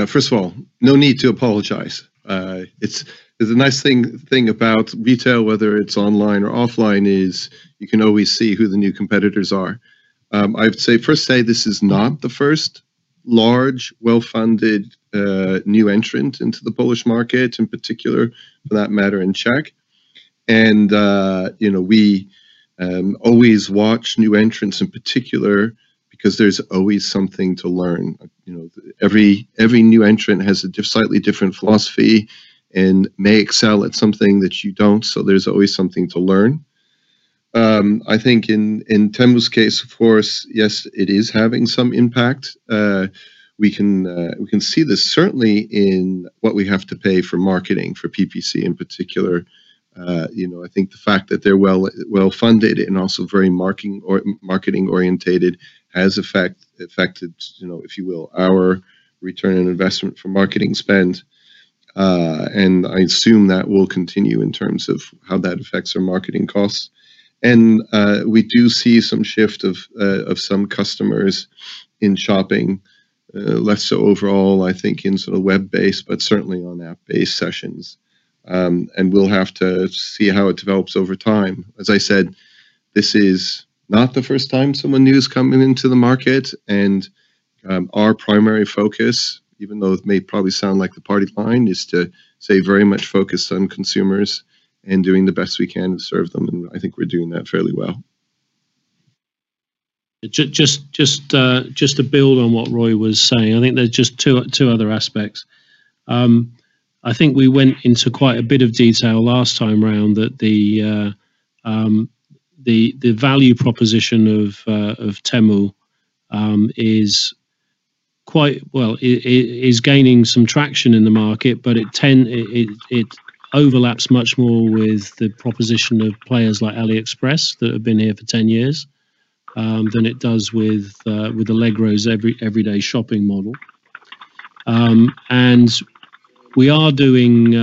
[SPEAKER 3] first of all, no need to apologize. It's the nice thing about retail, whether it's online or offline, is you can always see who the new competitors are. I'd say, this is not the first large, well-funded new entrant into the Polish market, in particular, for that matter, in Czech. You know, we always watch new entrants in particular because there's always something to learn. You know, every new entrant has a slightly different philosophy and may excel at something that you don't, so there's always something to learn. I think in Temu's case, of course, yes, it is having some impact. We can see this certainly in what we have to pay for marketing, for PPC in particular. You know, I think the fact that they're well-funded and also very marketing-oriented has affected, you know, if you will, our return on investment for marketing spend. And I assume that will continue in terms of how that affects our marketing costs. And we do see some shift of some customers in shopping, less so overall, I think, in sort of web-based, but certainly on app-based sessions. And we'll have to see how it develops over time. As I said, this is not the first time someone new is coming into the market, and our primary focus, even though it may probably sound like the party line, is to stay very much focused on consumers and doing the best we can to serve them, and I think we're doing that fairly well.
[SPEAKER 4] Just to build on what Roy was saying, I think there's just two other aspects. I think we went into quite a bit of detail last time around that the value proposition of Temu is quite... well, it is gaining some traction in the market, but it overlaps much more with the proposition of players like AliExpress that have been here for 10 years than it does with Allegro's everyday shopping model. And we are doing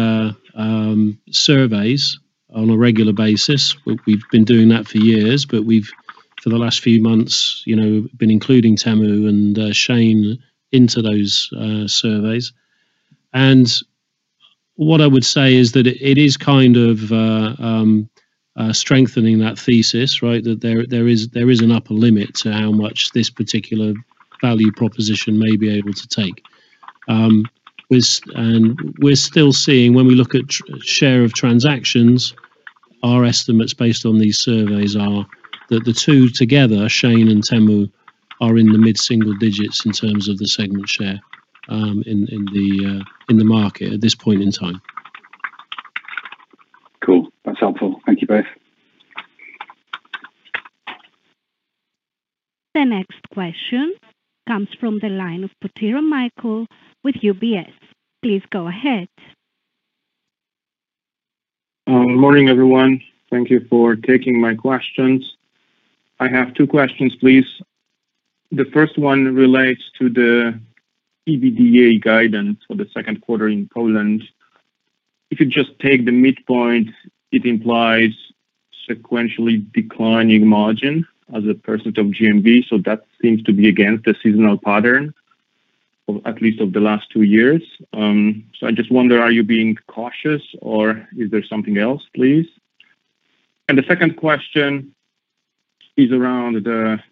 [SPEAKER 4] surveys on a regular basis. We've been doing that for years, but we've, for the last few months, you know, been including Temu and Shein into those surveys. And what I would say is that it is kind of strengthening that thesis, right? That there is an upper limit to how much this particular value proposition may be able to take. And we're still seeing when we look at transaction share of transactions, our estimates based on these surveys are that the two together, Shein and Temu, are in the mid-single digits in terms of the segment share, in the market at this point in time.
[SPEAKER 6] Cool. That's helpful. Thank you both.
[SPEAKER 1] The next question comes from the line of Potyra Michał with UBS. Please go ahead.
[SPEAKER 7] Morning, everyone. Thank you for taking my questions. I have two questions, please. The first one relates to the EBITDA guidance for the second quarter in Poland. If you just take the midpoint, it implies sequentially declining margin as a percent of GMV, so that seems to be against the seasonal pattern... at least of the last two years. So I just wonder, are you being cautious, or is there something else, please? The second question is around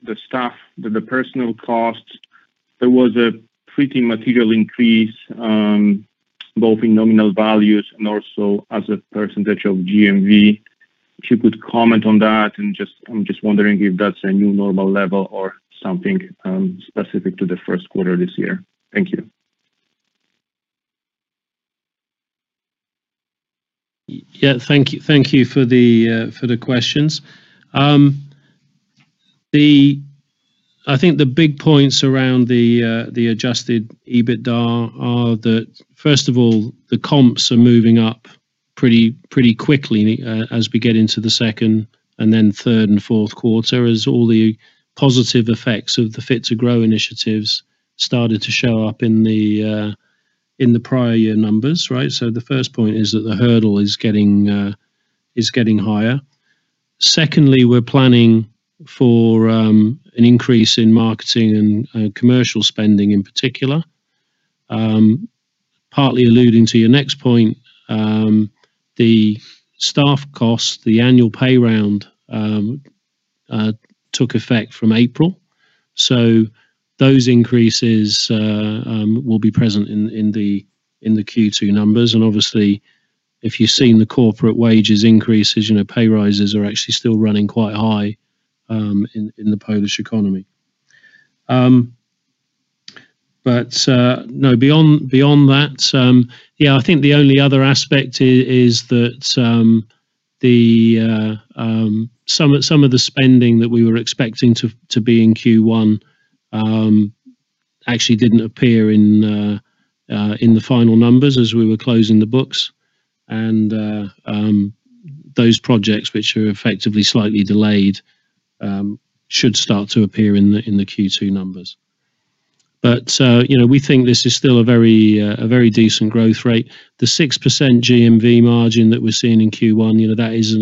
[SPEAKER 7] the staff, the personnel costs. There was a pretty material increase, both in nominal values and also as a percentage of GMV. If you could comment on that, and just, I'm just wondering if that's a new normal level or something specific to the first quarter this year. Thank you.
[SPEAKER 4] Yeah, thank you. Thank you for the questions. I think the big points around the adjusted EBITDA are that, first of all, the comps are moving up pretty quickly as we get into the second and then third and fourth quarter, as all the positive effects of the Fit to Grow initiatives started to show up in the prior year numbers, right? So the first point is that the hurdle is getting higher. Secondly, we're planning for an increase in marketing and commercial spending, in particular. Partly alluding to your next point, the staff costs, the annual pay round took effect from April, so those increases will be present in the Q2 numbers. And obviously, if you've seen the corporate wages increases, you know, pay raises are actually still running quite high in the Polish economy. But no, beyond that, yeah, I think the only other aspect is that some of the spending that we were expecting to be in Q1 actually didn't appear in the final numbers as we were closing the books. And those projects, which are effectively slightly delayed, should start to appear in the Q2 numbers. But you know, we think this is still a very decent growth rate. The 6% GMV margin that we're seeing in Q1, you know, that is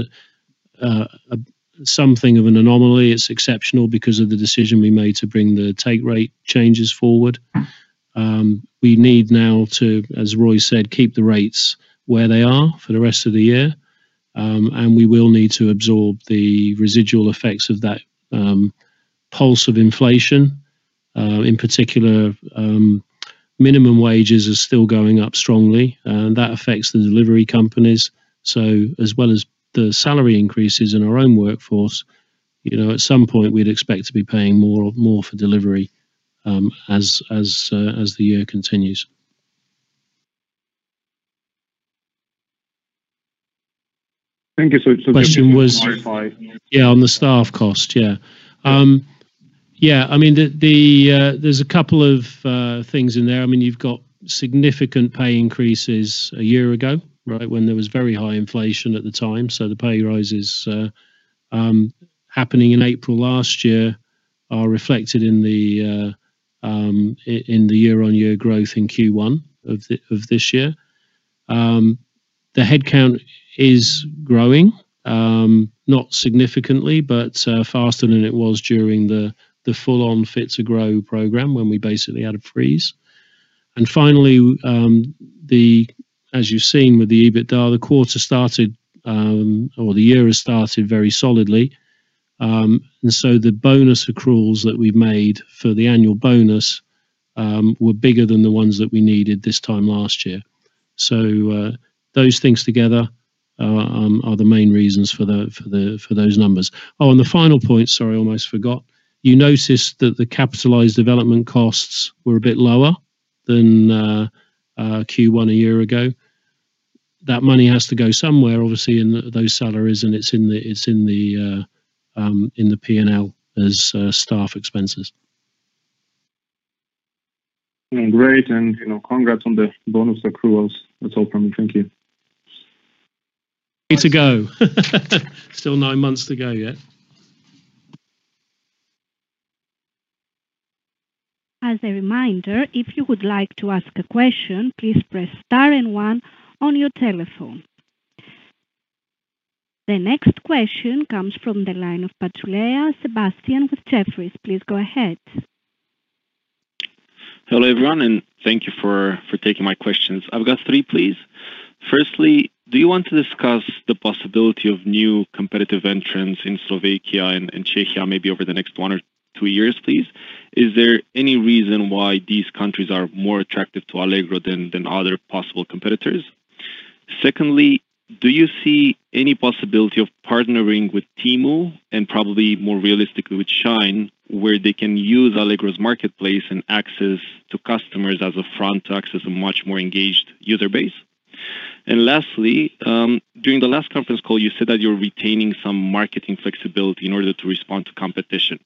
[SPEAKER 4] something of an anomaly. It's exceptional because of the decision we made to bring the take rate changes forward. We need now to, as Roy said, keep the rates where they are for the rest of the year, and we will need to absorb the residual effects of that, pulse of inflation. In particular, minimum wages are still going up strongly, and that affects the delivery companies, so as well as the salary increases in our own workforce, you know, at some point, we'd expect to be paying more, more for delivery, as, as, as the year continues.
[SPEAKER 7] Thank you. So,
[SPEAKER 4] Question was-
[SPEAKER 7] Clarify.
[SPEAKER 4] Yeah, on the staff cost, yeah. Yeah, I mean, there's a couple of things in there. I mean, you've got significant pay increases a year ago, right, when there was very high inflation at the time. So the pay rises happening in April last year are reflected in the year-on-year growth in Q1 of this year. The headcount is growing, not significantly, but faster than it was during the full-on Fit to Grow program, when we basically had a freeze. And finally, the... As you've seen with the EBITDA, the quarter started, or the year has started very solidly. And so the bonus accruals that we've made for the annual bonus were bigger than the ones that we needed this time last year. So, those things together are the main reasons for those numbers. Oh, and the final point, sorry, I almost forgot. You noticed that the capitalized development costs were a bit lower than Q1 a year ago. That money has to go somewhere, obviously, in those salaries, and it's in the P&L as staff expenses.
[SPEAKER 7] Great, and, you know, congrats on the bonus accruals. That's all from me. Thank you.
[SPEAKER 4] Way to go. Still nine months to go yet.
[SPEAKER 1] As a reminder, if you would like to ask a question, please press star and one on your telephone. The next question comes from the line of Sebastian Patulea with Jefferies. Please go ahead.
[SPEAKER 8] Hello, everyone, and thank you for taking my questions. I've got three, please. Firstly, do you want to discuss the possibility of new competitive entrants in Slovakia and Czechia, maybe over the next one or two years, please? Is there any reason why these countries are more attractive to Allegro than other possible competitors? Secondly, do you see any possibility of partnering with Temu, and probably more realistically with Shein, where they can use Allegro's marketplace and access to customers as a front to access a much more engaged user base? And lastly, during the last conference call, you said that you're retaining some marketing flexibility in order to respond to competition.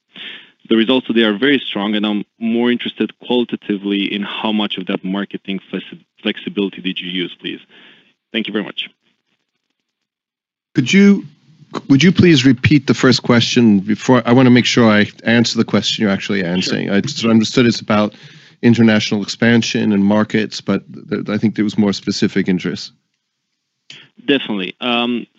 [SPEAKER 8] The results so they are very strong, and I'm more interested qualitatively in how much of that marketing flexibility did you use, please? Thank you very much.
[SPEAKER 3] Would you please repeat the first question before... I wanna make sure I answer the question you're actually answering. I just understood it's about international expansion and markets, but the, I think there was more specific interest.
[SPEAKER 8] Definitely.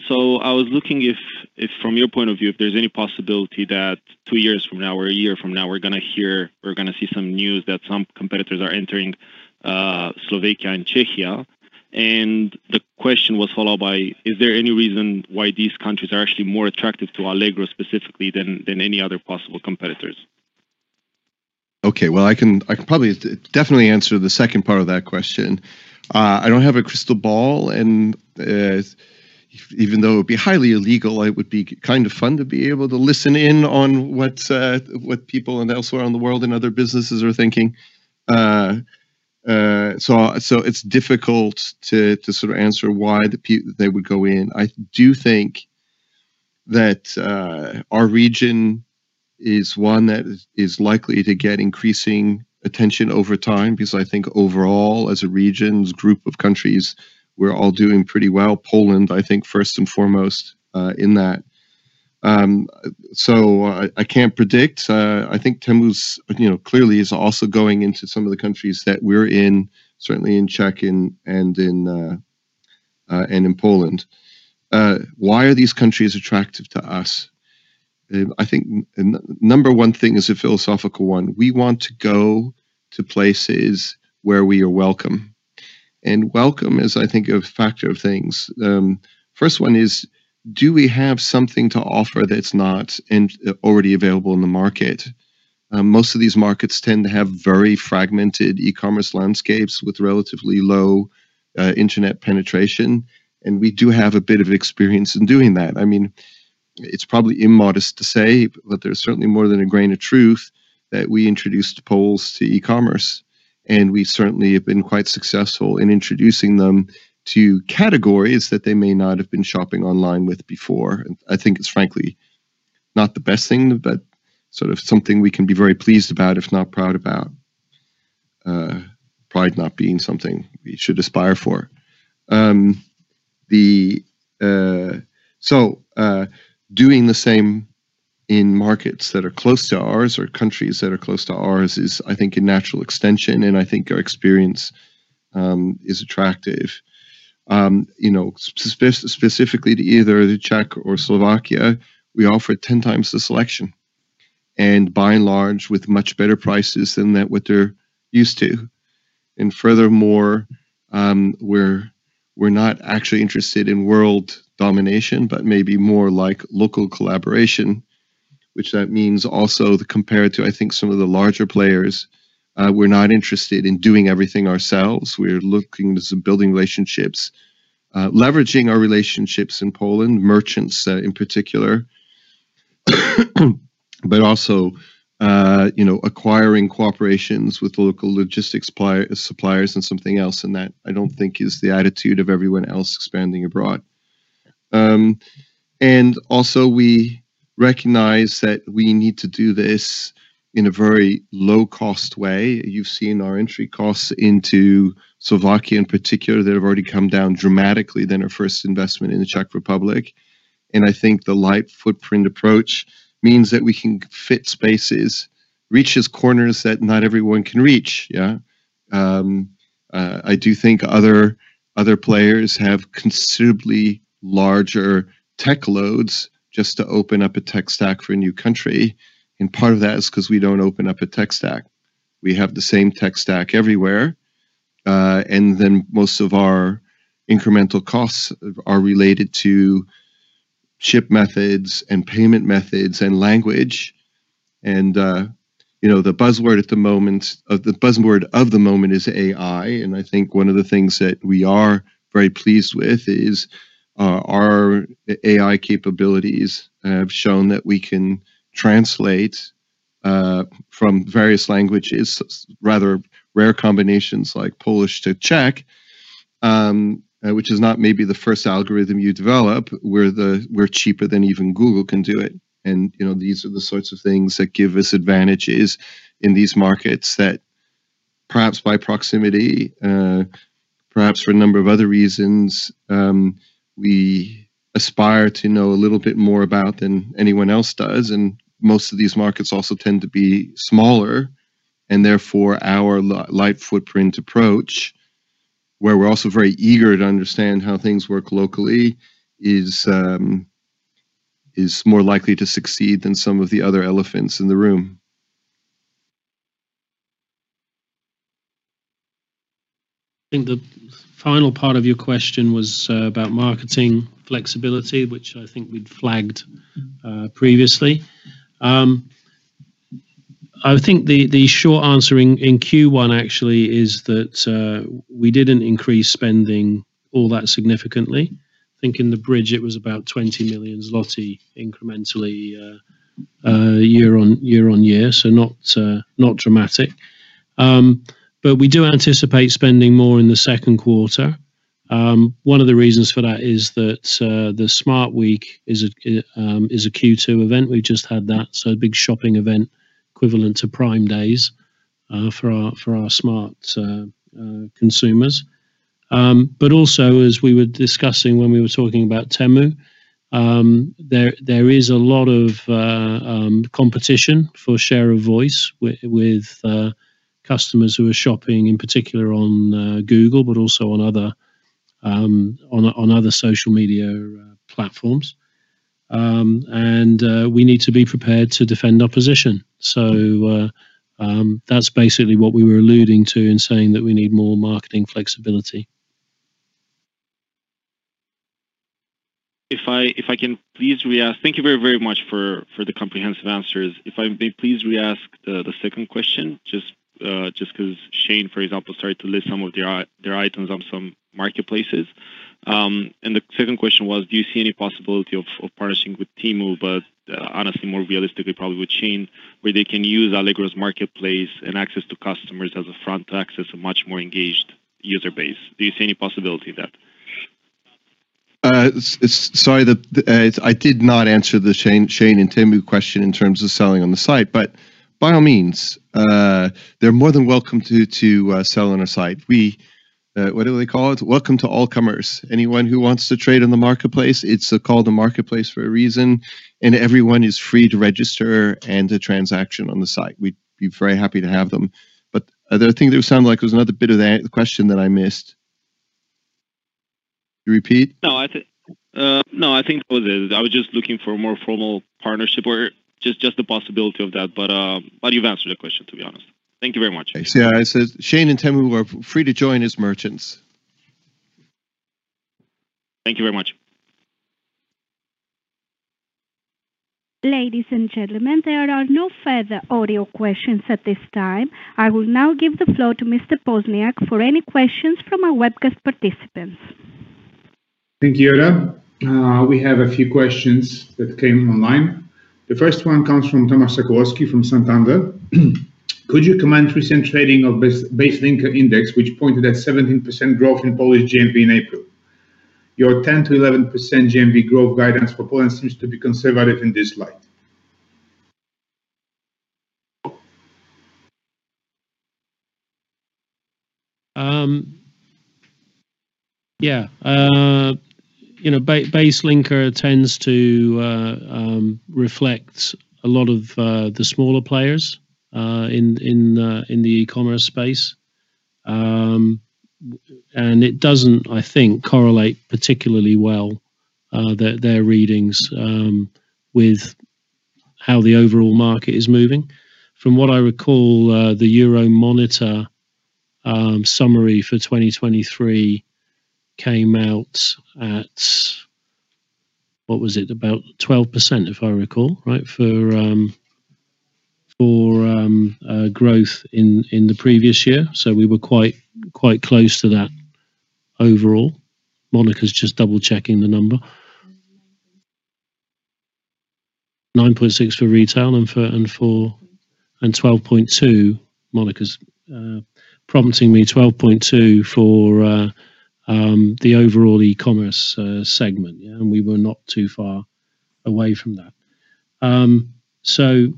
[SPEAKER 8] So I was looking if, from your point of view, if there's any possibility that two years from now or a year from now, we're gonna hear or we're gonna see some news that some competitors are entering, Slovakia and Czechia. And the question was followed by, is there any reason why these countries are actually more attractive to Allegro specifically than any other possible competitors?
[SPEAKER 3] Okay, well, I can, I can probably definitely answer the second part of that question. I don't have a crystal ball, and even though it'd be highly illegal, it would be kind of fun to be able to listen in on what people and elsewhere in the world and other businesses are thinking. So it's difficult to sort of answer why they would go in. I do think that our region is one that is likely to get increasing attention over time, because I think overall, as a region, as a group of countries, we're all doing pretty well. Poland, I think, first and foremost, in that. So I can't predict. I think Temu's, you know, clearly is also going into some of the countries that we're in, certainly in Czech and in Poland. Why are these countries attractive to us? I think number one thing is a philosophical one. We want to go to places where we are welcome. And welcome is, I think, a factor of things. First one is, do we have something to offer that's not in, already available in the market? Most of these markets tend to have very fragmented e-commerce landscapes with relatively low internet penetration, and we do have a bit of experience in doing that. I mean, it's probably immodest to say, but there's certainly more than a grain of truth that we introduced Poles to e-commerce, and we certainly have been quite successful in introducing them to categories that they may not have been shopping online with before. And I think it's frankly not the best thing, but sort of something we can be very pleased about, if not proud about. Pride not being something we should aspire for. So, doing the same in markets that are close to ours or countries that are close to ours is, I think, a natural extension, and I think our experience is attractive. You know, specifically to either the Czech or Slovakia, we offer 10x the selection, and by and large, with much better prices than that what they're used to. Furthermore, we're not actually interested in world domination, but maybe more like local collaboration, which means that also, compared to, I think, some of the larger players, we're not interested in doing everything ourselves. We're looking to build relationships, leveraging our relationships in Poland, merchants in particular, but also, you know, acquiring cooperation with local logistics players, suppliers, and something else, and that I don't think is the attitude of everyone else expanding abroad. And also, we recognize that we need to do this in a very low-cost way. You've seen our entry costs into Slovakia, in particular, that have already come down dramatically than our first investment in the Czech Republic. And I think the light footprint approach means that we can fill spaces, reach corners that not everyone can reach. Yeah. I do think other players have considerably larger tech loads just to open up a tech stack for a new country, and part of that is 'cause we don't open up a tech stack. We have the same tech stack everywhere, and then most of our incremental costs are related to shipping methods and payment methods and language. And, you know, the buzzword of the moment is AI, and I think one of the things that we are very pleased with is our AI capabilities have shown that we can translate from various languages, rather rare combinations like Polish to Czech, which is not the first algorithm you develop. We're cheaper than even Google can do it. You know, these are the sorts of things that give us advantages in these markets that perhaps by proximity, perhaps for a number of other reasons, we aspire to know a little bit more about than anyone else does, and most of these markets also tend to be smaller, and therefore, our light footprint approach, where we're also very eager to understand how things work locally, is more likely to succeed than some of the other elephants in the room.
[SPEAKER 4] I think the final part of your question was about marketing flexibility, which I think we'd flagged previously. I think the short answer in Q1 actually is that we didn't increase spending all that significantly. I think in the bridge, it was about 20 million zloty incrementally year-on-year, so not dramatic. But we do anticipate spending more in the second quarter. One of the reasons for that is that the Smart! Week is a Q2 event. We've just had that, so a big shopping event equivalent to Prime Days for our Smart! consumers. But also, as we were discussing when we were talking about Temu, there is a lot of competition for share of voice with customers who are shopping, in particular on Google, but also on other social media platforms. We need to be prepared to defend our position. That's basically what we were alluding to in saying that we need more marketing flexibility.
[SPEAKER 8] If I can please reask—thank you very, very much for the comprehensive answers. If I may please reask the second question, just 'cause Shein, for example, started to list some of their items on some marketplaces. And the second question was, do you see any possibility of partnering with Temu, but honestly, more realistically, probably with Shein, where they can use Allegro's marketplace and access to customers as a front to access a much more engaged user base? Do you see any possibility of that?
[SPEAKER 3] Sorry, that I did not answer the Shein and Temu question in terms of selling on the site, but by all means, they're more than welcome to sell on our site. We, what do they call it? Welcome to all comers. Anyone who wants to trade in the marketplace, it's called a marketplace for a reason, and everyone is free to register and to transact on the site. We'd be very happy to have them. But the other thing that it sounds like there was another bit of the question that I missed. Can you repeat?
[SPEAKER 8] No, I think, no, I think that was it. I was just looking for a more formal partnership or just, just the possibility of that, but, but you've answered the question, to be honest. Thank you very much.
[SPEAKER 3] See, I said, Shein and Temu are free to join as merchants.
[SPEAKER 8] Thank you very much.
[SPEAKER 1] Ladies and gentlemen, there are no further audio questions at this time. I will now give the floor to Mr. Poźniak for any questions from our webcast participants.
[SPEAKER 2] Thank you, Ira. We have a few questions that came online. The first one comes from Tomasz Sokołowski from Santander. Could you comment recent trading of BaseLinker Index, which pointed at 17% growth in Polish GMV in April? Your 10%-11% GMV growth guidance for Poland seems to be conservative in this light.
[SPEAKER 4] Yeah. You know, BaseLinker tends to reflect a lot of the smaller players in the e-commerce space. And it doesn't, I think, correlate particularly well, their readings with how the overall market is moving. From what I recall, the Euromonitor summary for 2023 came out at... What was it? About 12%, if I recall, right? For growth in the previous year. So we were quite close to that overall. Monika's just double-checking the number. 9.6 for retail and 12.2. Monika's prompting me, 12.2 for the overall e-commerce segment. Yeah, and we were not too far away from that. So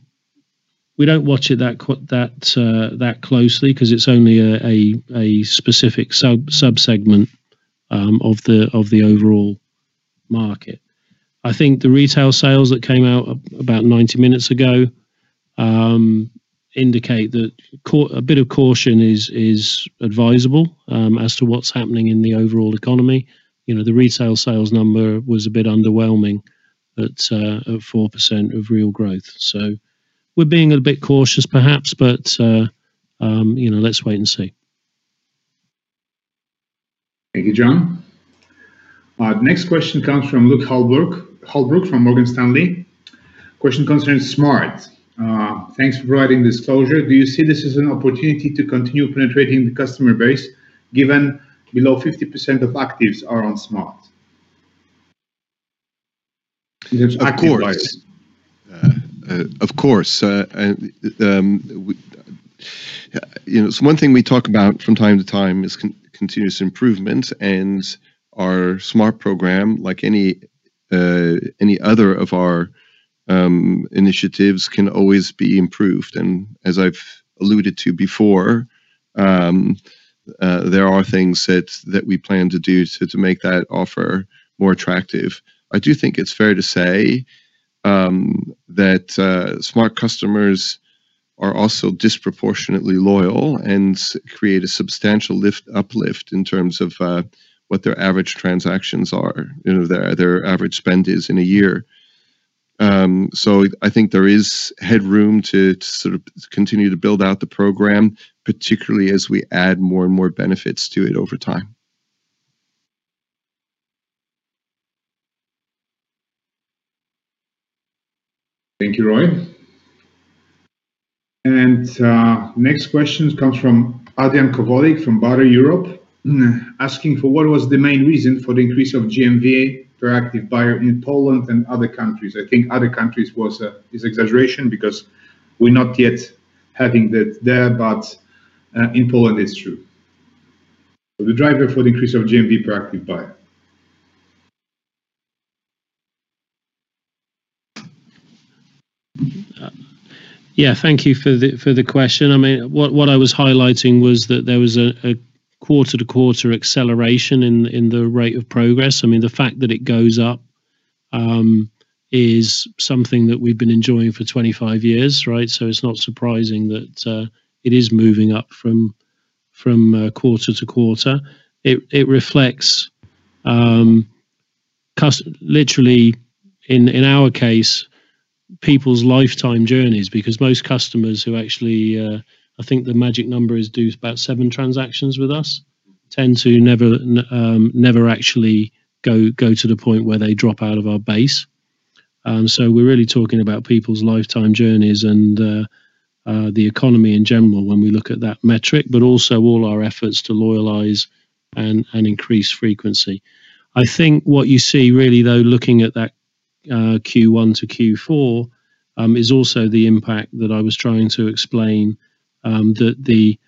[SPEAKER 4] we don't watch it that closely, 'cause it's only a specific subsegment of the overall market. I think the retail sales that came out about 90 minutes ago indicate that a bit of caution is advisable as to what's happening in the overall economy. You know, the retail sales number was a bit underwhelming at 4% of real growth. So we're being a bit cautious, perhaps, but you know, let's wait and see.
[SPEAKER 2] Thank you, Jon. The next question comes from Luke Holbrook from Morgan Stanley. Question concerns Smart!. Thanks for providing this closure. Do you see this as an opportunity to continue penetrating the customer base, given below 50% of actives are on Smart!?
[SPEAKER 3] Active buyers. Of course. You know, so one thing we talk about from time to time is continuous improvement, and our Smart! program, like any other of our initiatives, can always be improved. And as I've alluded to before, there are things that we plan to do to make that offer more attractive. I do think it's fair to say that Smart! customers are also disproportionately loyal and create a substantial uplift in terms of what their average transactions are, you know, their average spend is in a year. So I think there is headroom to sort of continue to build out the program, particularly as we add more and more benefits to it over time.
[SPEAKER 2] Thank you, Roy. And, next question comes from Adrian Kowollik from PKO BP Securities, asking for what was the main reason for the increase of GMV per active buyer in Poland and other countries? I think other countries was, is exaggeration, because we're not yet having that there, but, in Poland, it's true. The driver for the increase of GMV per active buyer.
[SPEAKER 4] Yeah, thank you for the question. I mean, what I was highlighting was that there was a quarter-to-quarter acceleration in the rate of progress. I mean, the fact that it goes up is something that we've been enjoying for 25 years, right? So it's not surprising that it is moving up from quarter-to-quarter. It reflects literally, in our case, people's lifetime journeys, because most customers who actually, I think the magic number is do about 7 transactions with us, tend to never actually go to the point where they drop out of our base. So we're really talking about people's lifetime journeys and the economy in general when we look at that metric, but also all our efforts to loyalize and increase frequency. I think what you see really, though, looking at that, Q1 to Q4, is also the impact that I was trying to explain, that the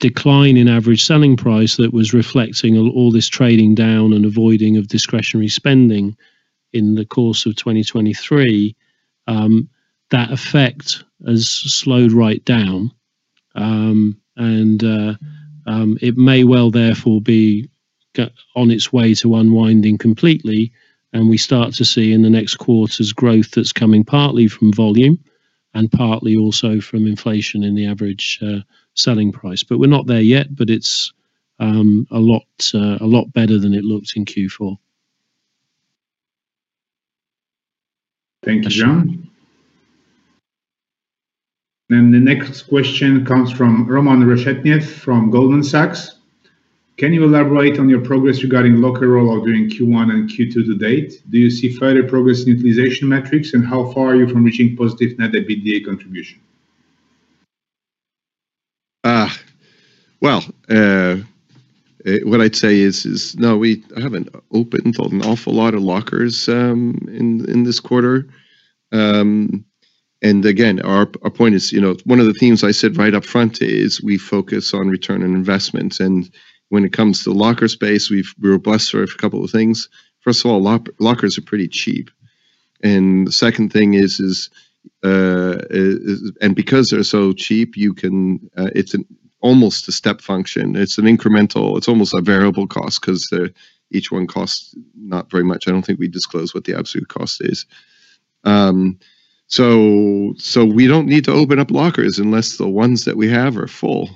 [SPEAKER 4] decline in average selling price that was reflecting all, all this trading down and avoiding of discretionary spending in the course of 2023, that effect has slowed right down. And, it may well therefore be going on its way to unwinding completely, and we start to see in the next quarter's growth that's coming partly from volume and partly also from inflation in the average selling price. But we're not there yet, but it's a lot better than it looked in Q4.
[SPEAKER 2] Thank you, Jon. Then the next question comes from Roman Reshetnyak from Goldman Sachs. Can you elaborate on your progress regarding locker rollout during Q1 and Q2 to date? Do you see further progress in utilization metrics, and how far are you from reaching positive net EBITDA contribution?
[SPEAKER 3] Ah! Well, what I'd say is, no, we haven't opened an awful lot of lockers in this quarter. And again, our point is, you know, one of the themes I said right up front is we focus on return on investment. And when it comes to locker space, we were blessed with a couple of things. First of all, lockers are pretty cheap, and the second thing is, because they're so cheap, you can, it's an almost a step function. It's an incremental... It's almost a variable cost 'cause each one costs not very much. I don't think we disclose what the absolute cost is. So we don't need to open up lockers unless the ones that we have are full.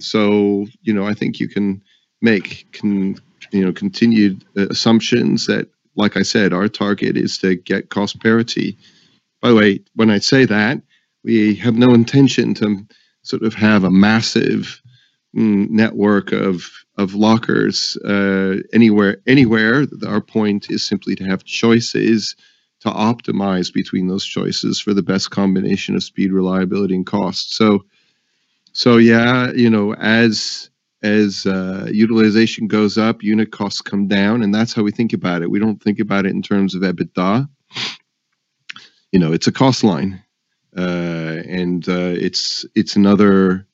[SPEAKER 3] So, you know, I think you can make continued assumptions that, like I said, our target is to get cost parity. By the way, when I say that, we have no intention to sort of have a massive network of lockers anywhere. Our point is simply to have choices, to optimize between those choices for the best combination of speed, reliability and cost. So, yeah, you know, as utilization goes up, unit costs come down, and that's how we think about it. We don't think about it in terms of EBITDA. You know, it's a cost line, and it's another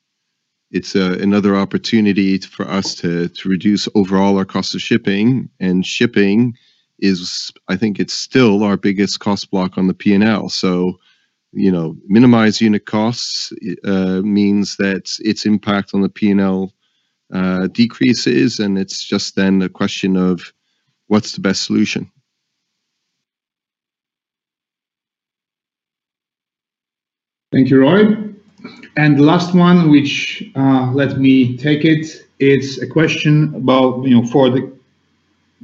[SPEAKER 3] opportunity for us to reduce overall our cost of shipping, and shipping is, I think it's still our biggest cost block on the P&L. So, you know, minimize unit costs means that its impact on the P&L decreases, and it's just then a question of what's the best solution?
[SPEAKER 2] Thank you, Roy. And the last one, which, let me take it, it's a question about, you know, for the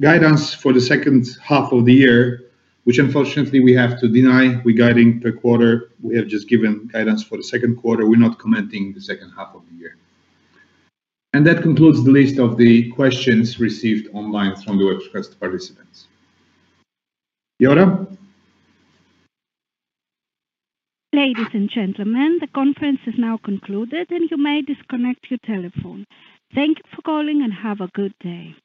[SPEAKER 2] guidance for the second half of the year, which unfortunately, we have to deny regarding per quarter. We have just given guidance for the second quarter. We're not commenting the second half of the year. And that concludes the list of the questions received online from the webcast participants. Jota?
[SPEAKER 1] Ladies and gentlemen, the conference is now concluded, and you may disconnect your telephone. Thank you for calling and have a good day.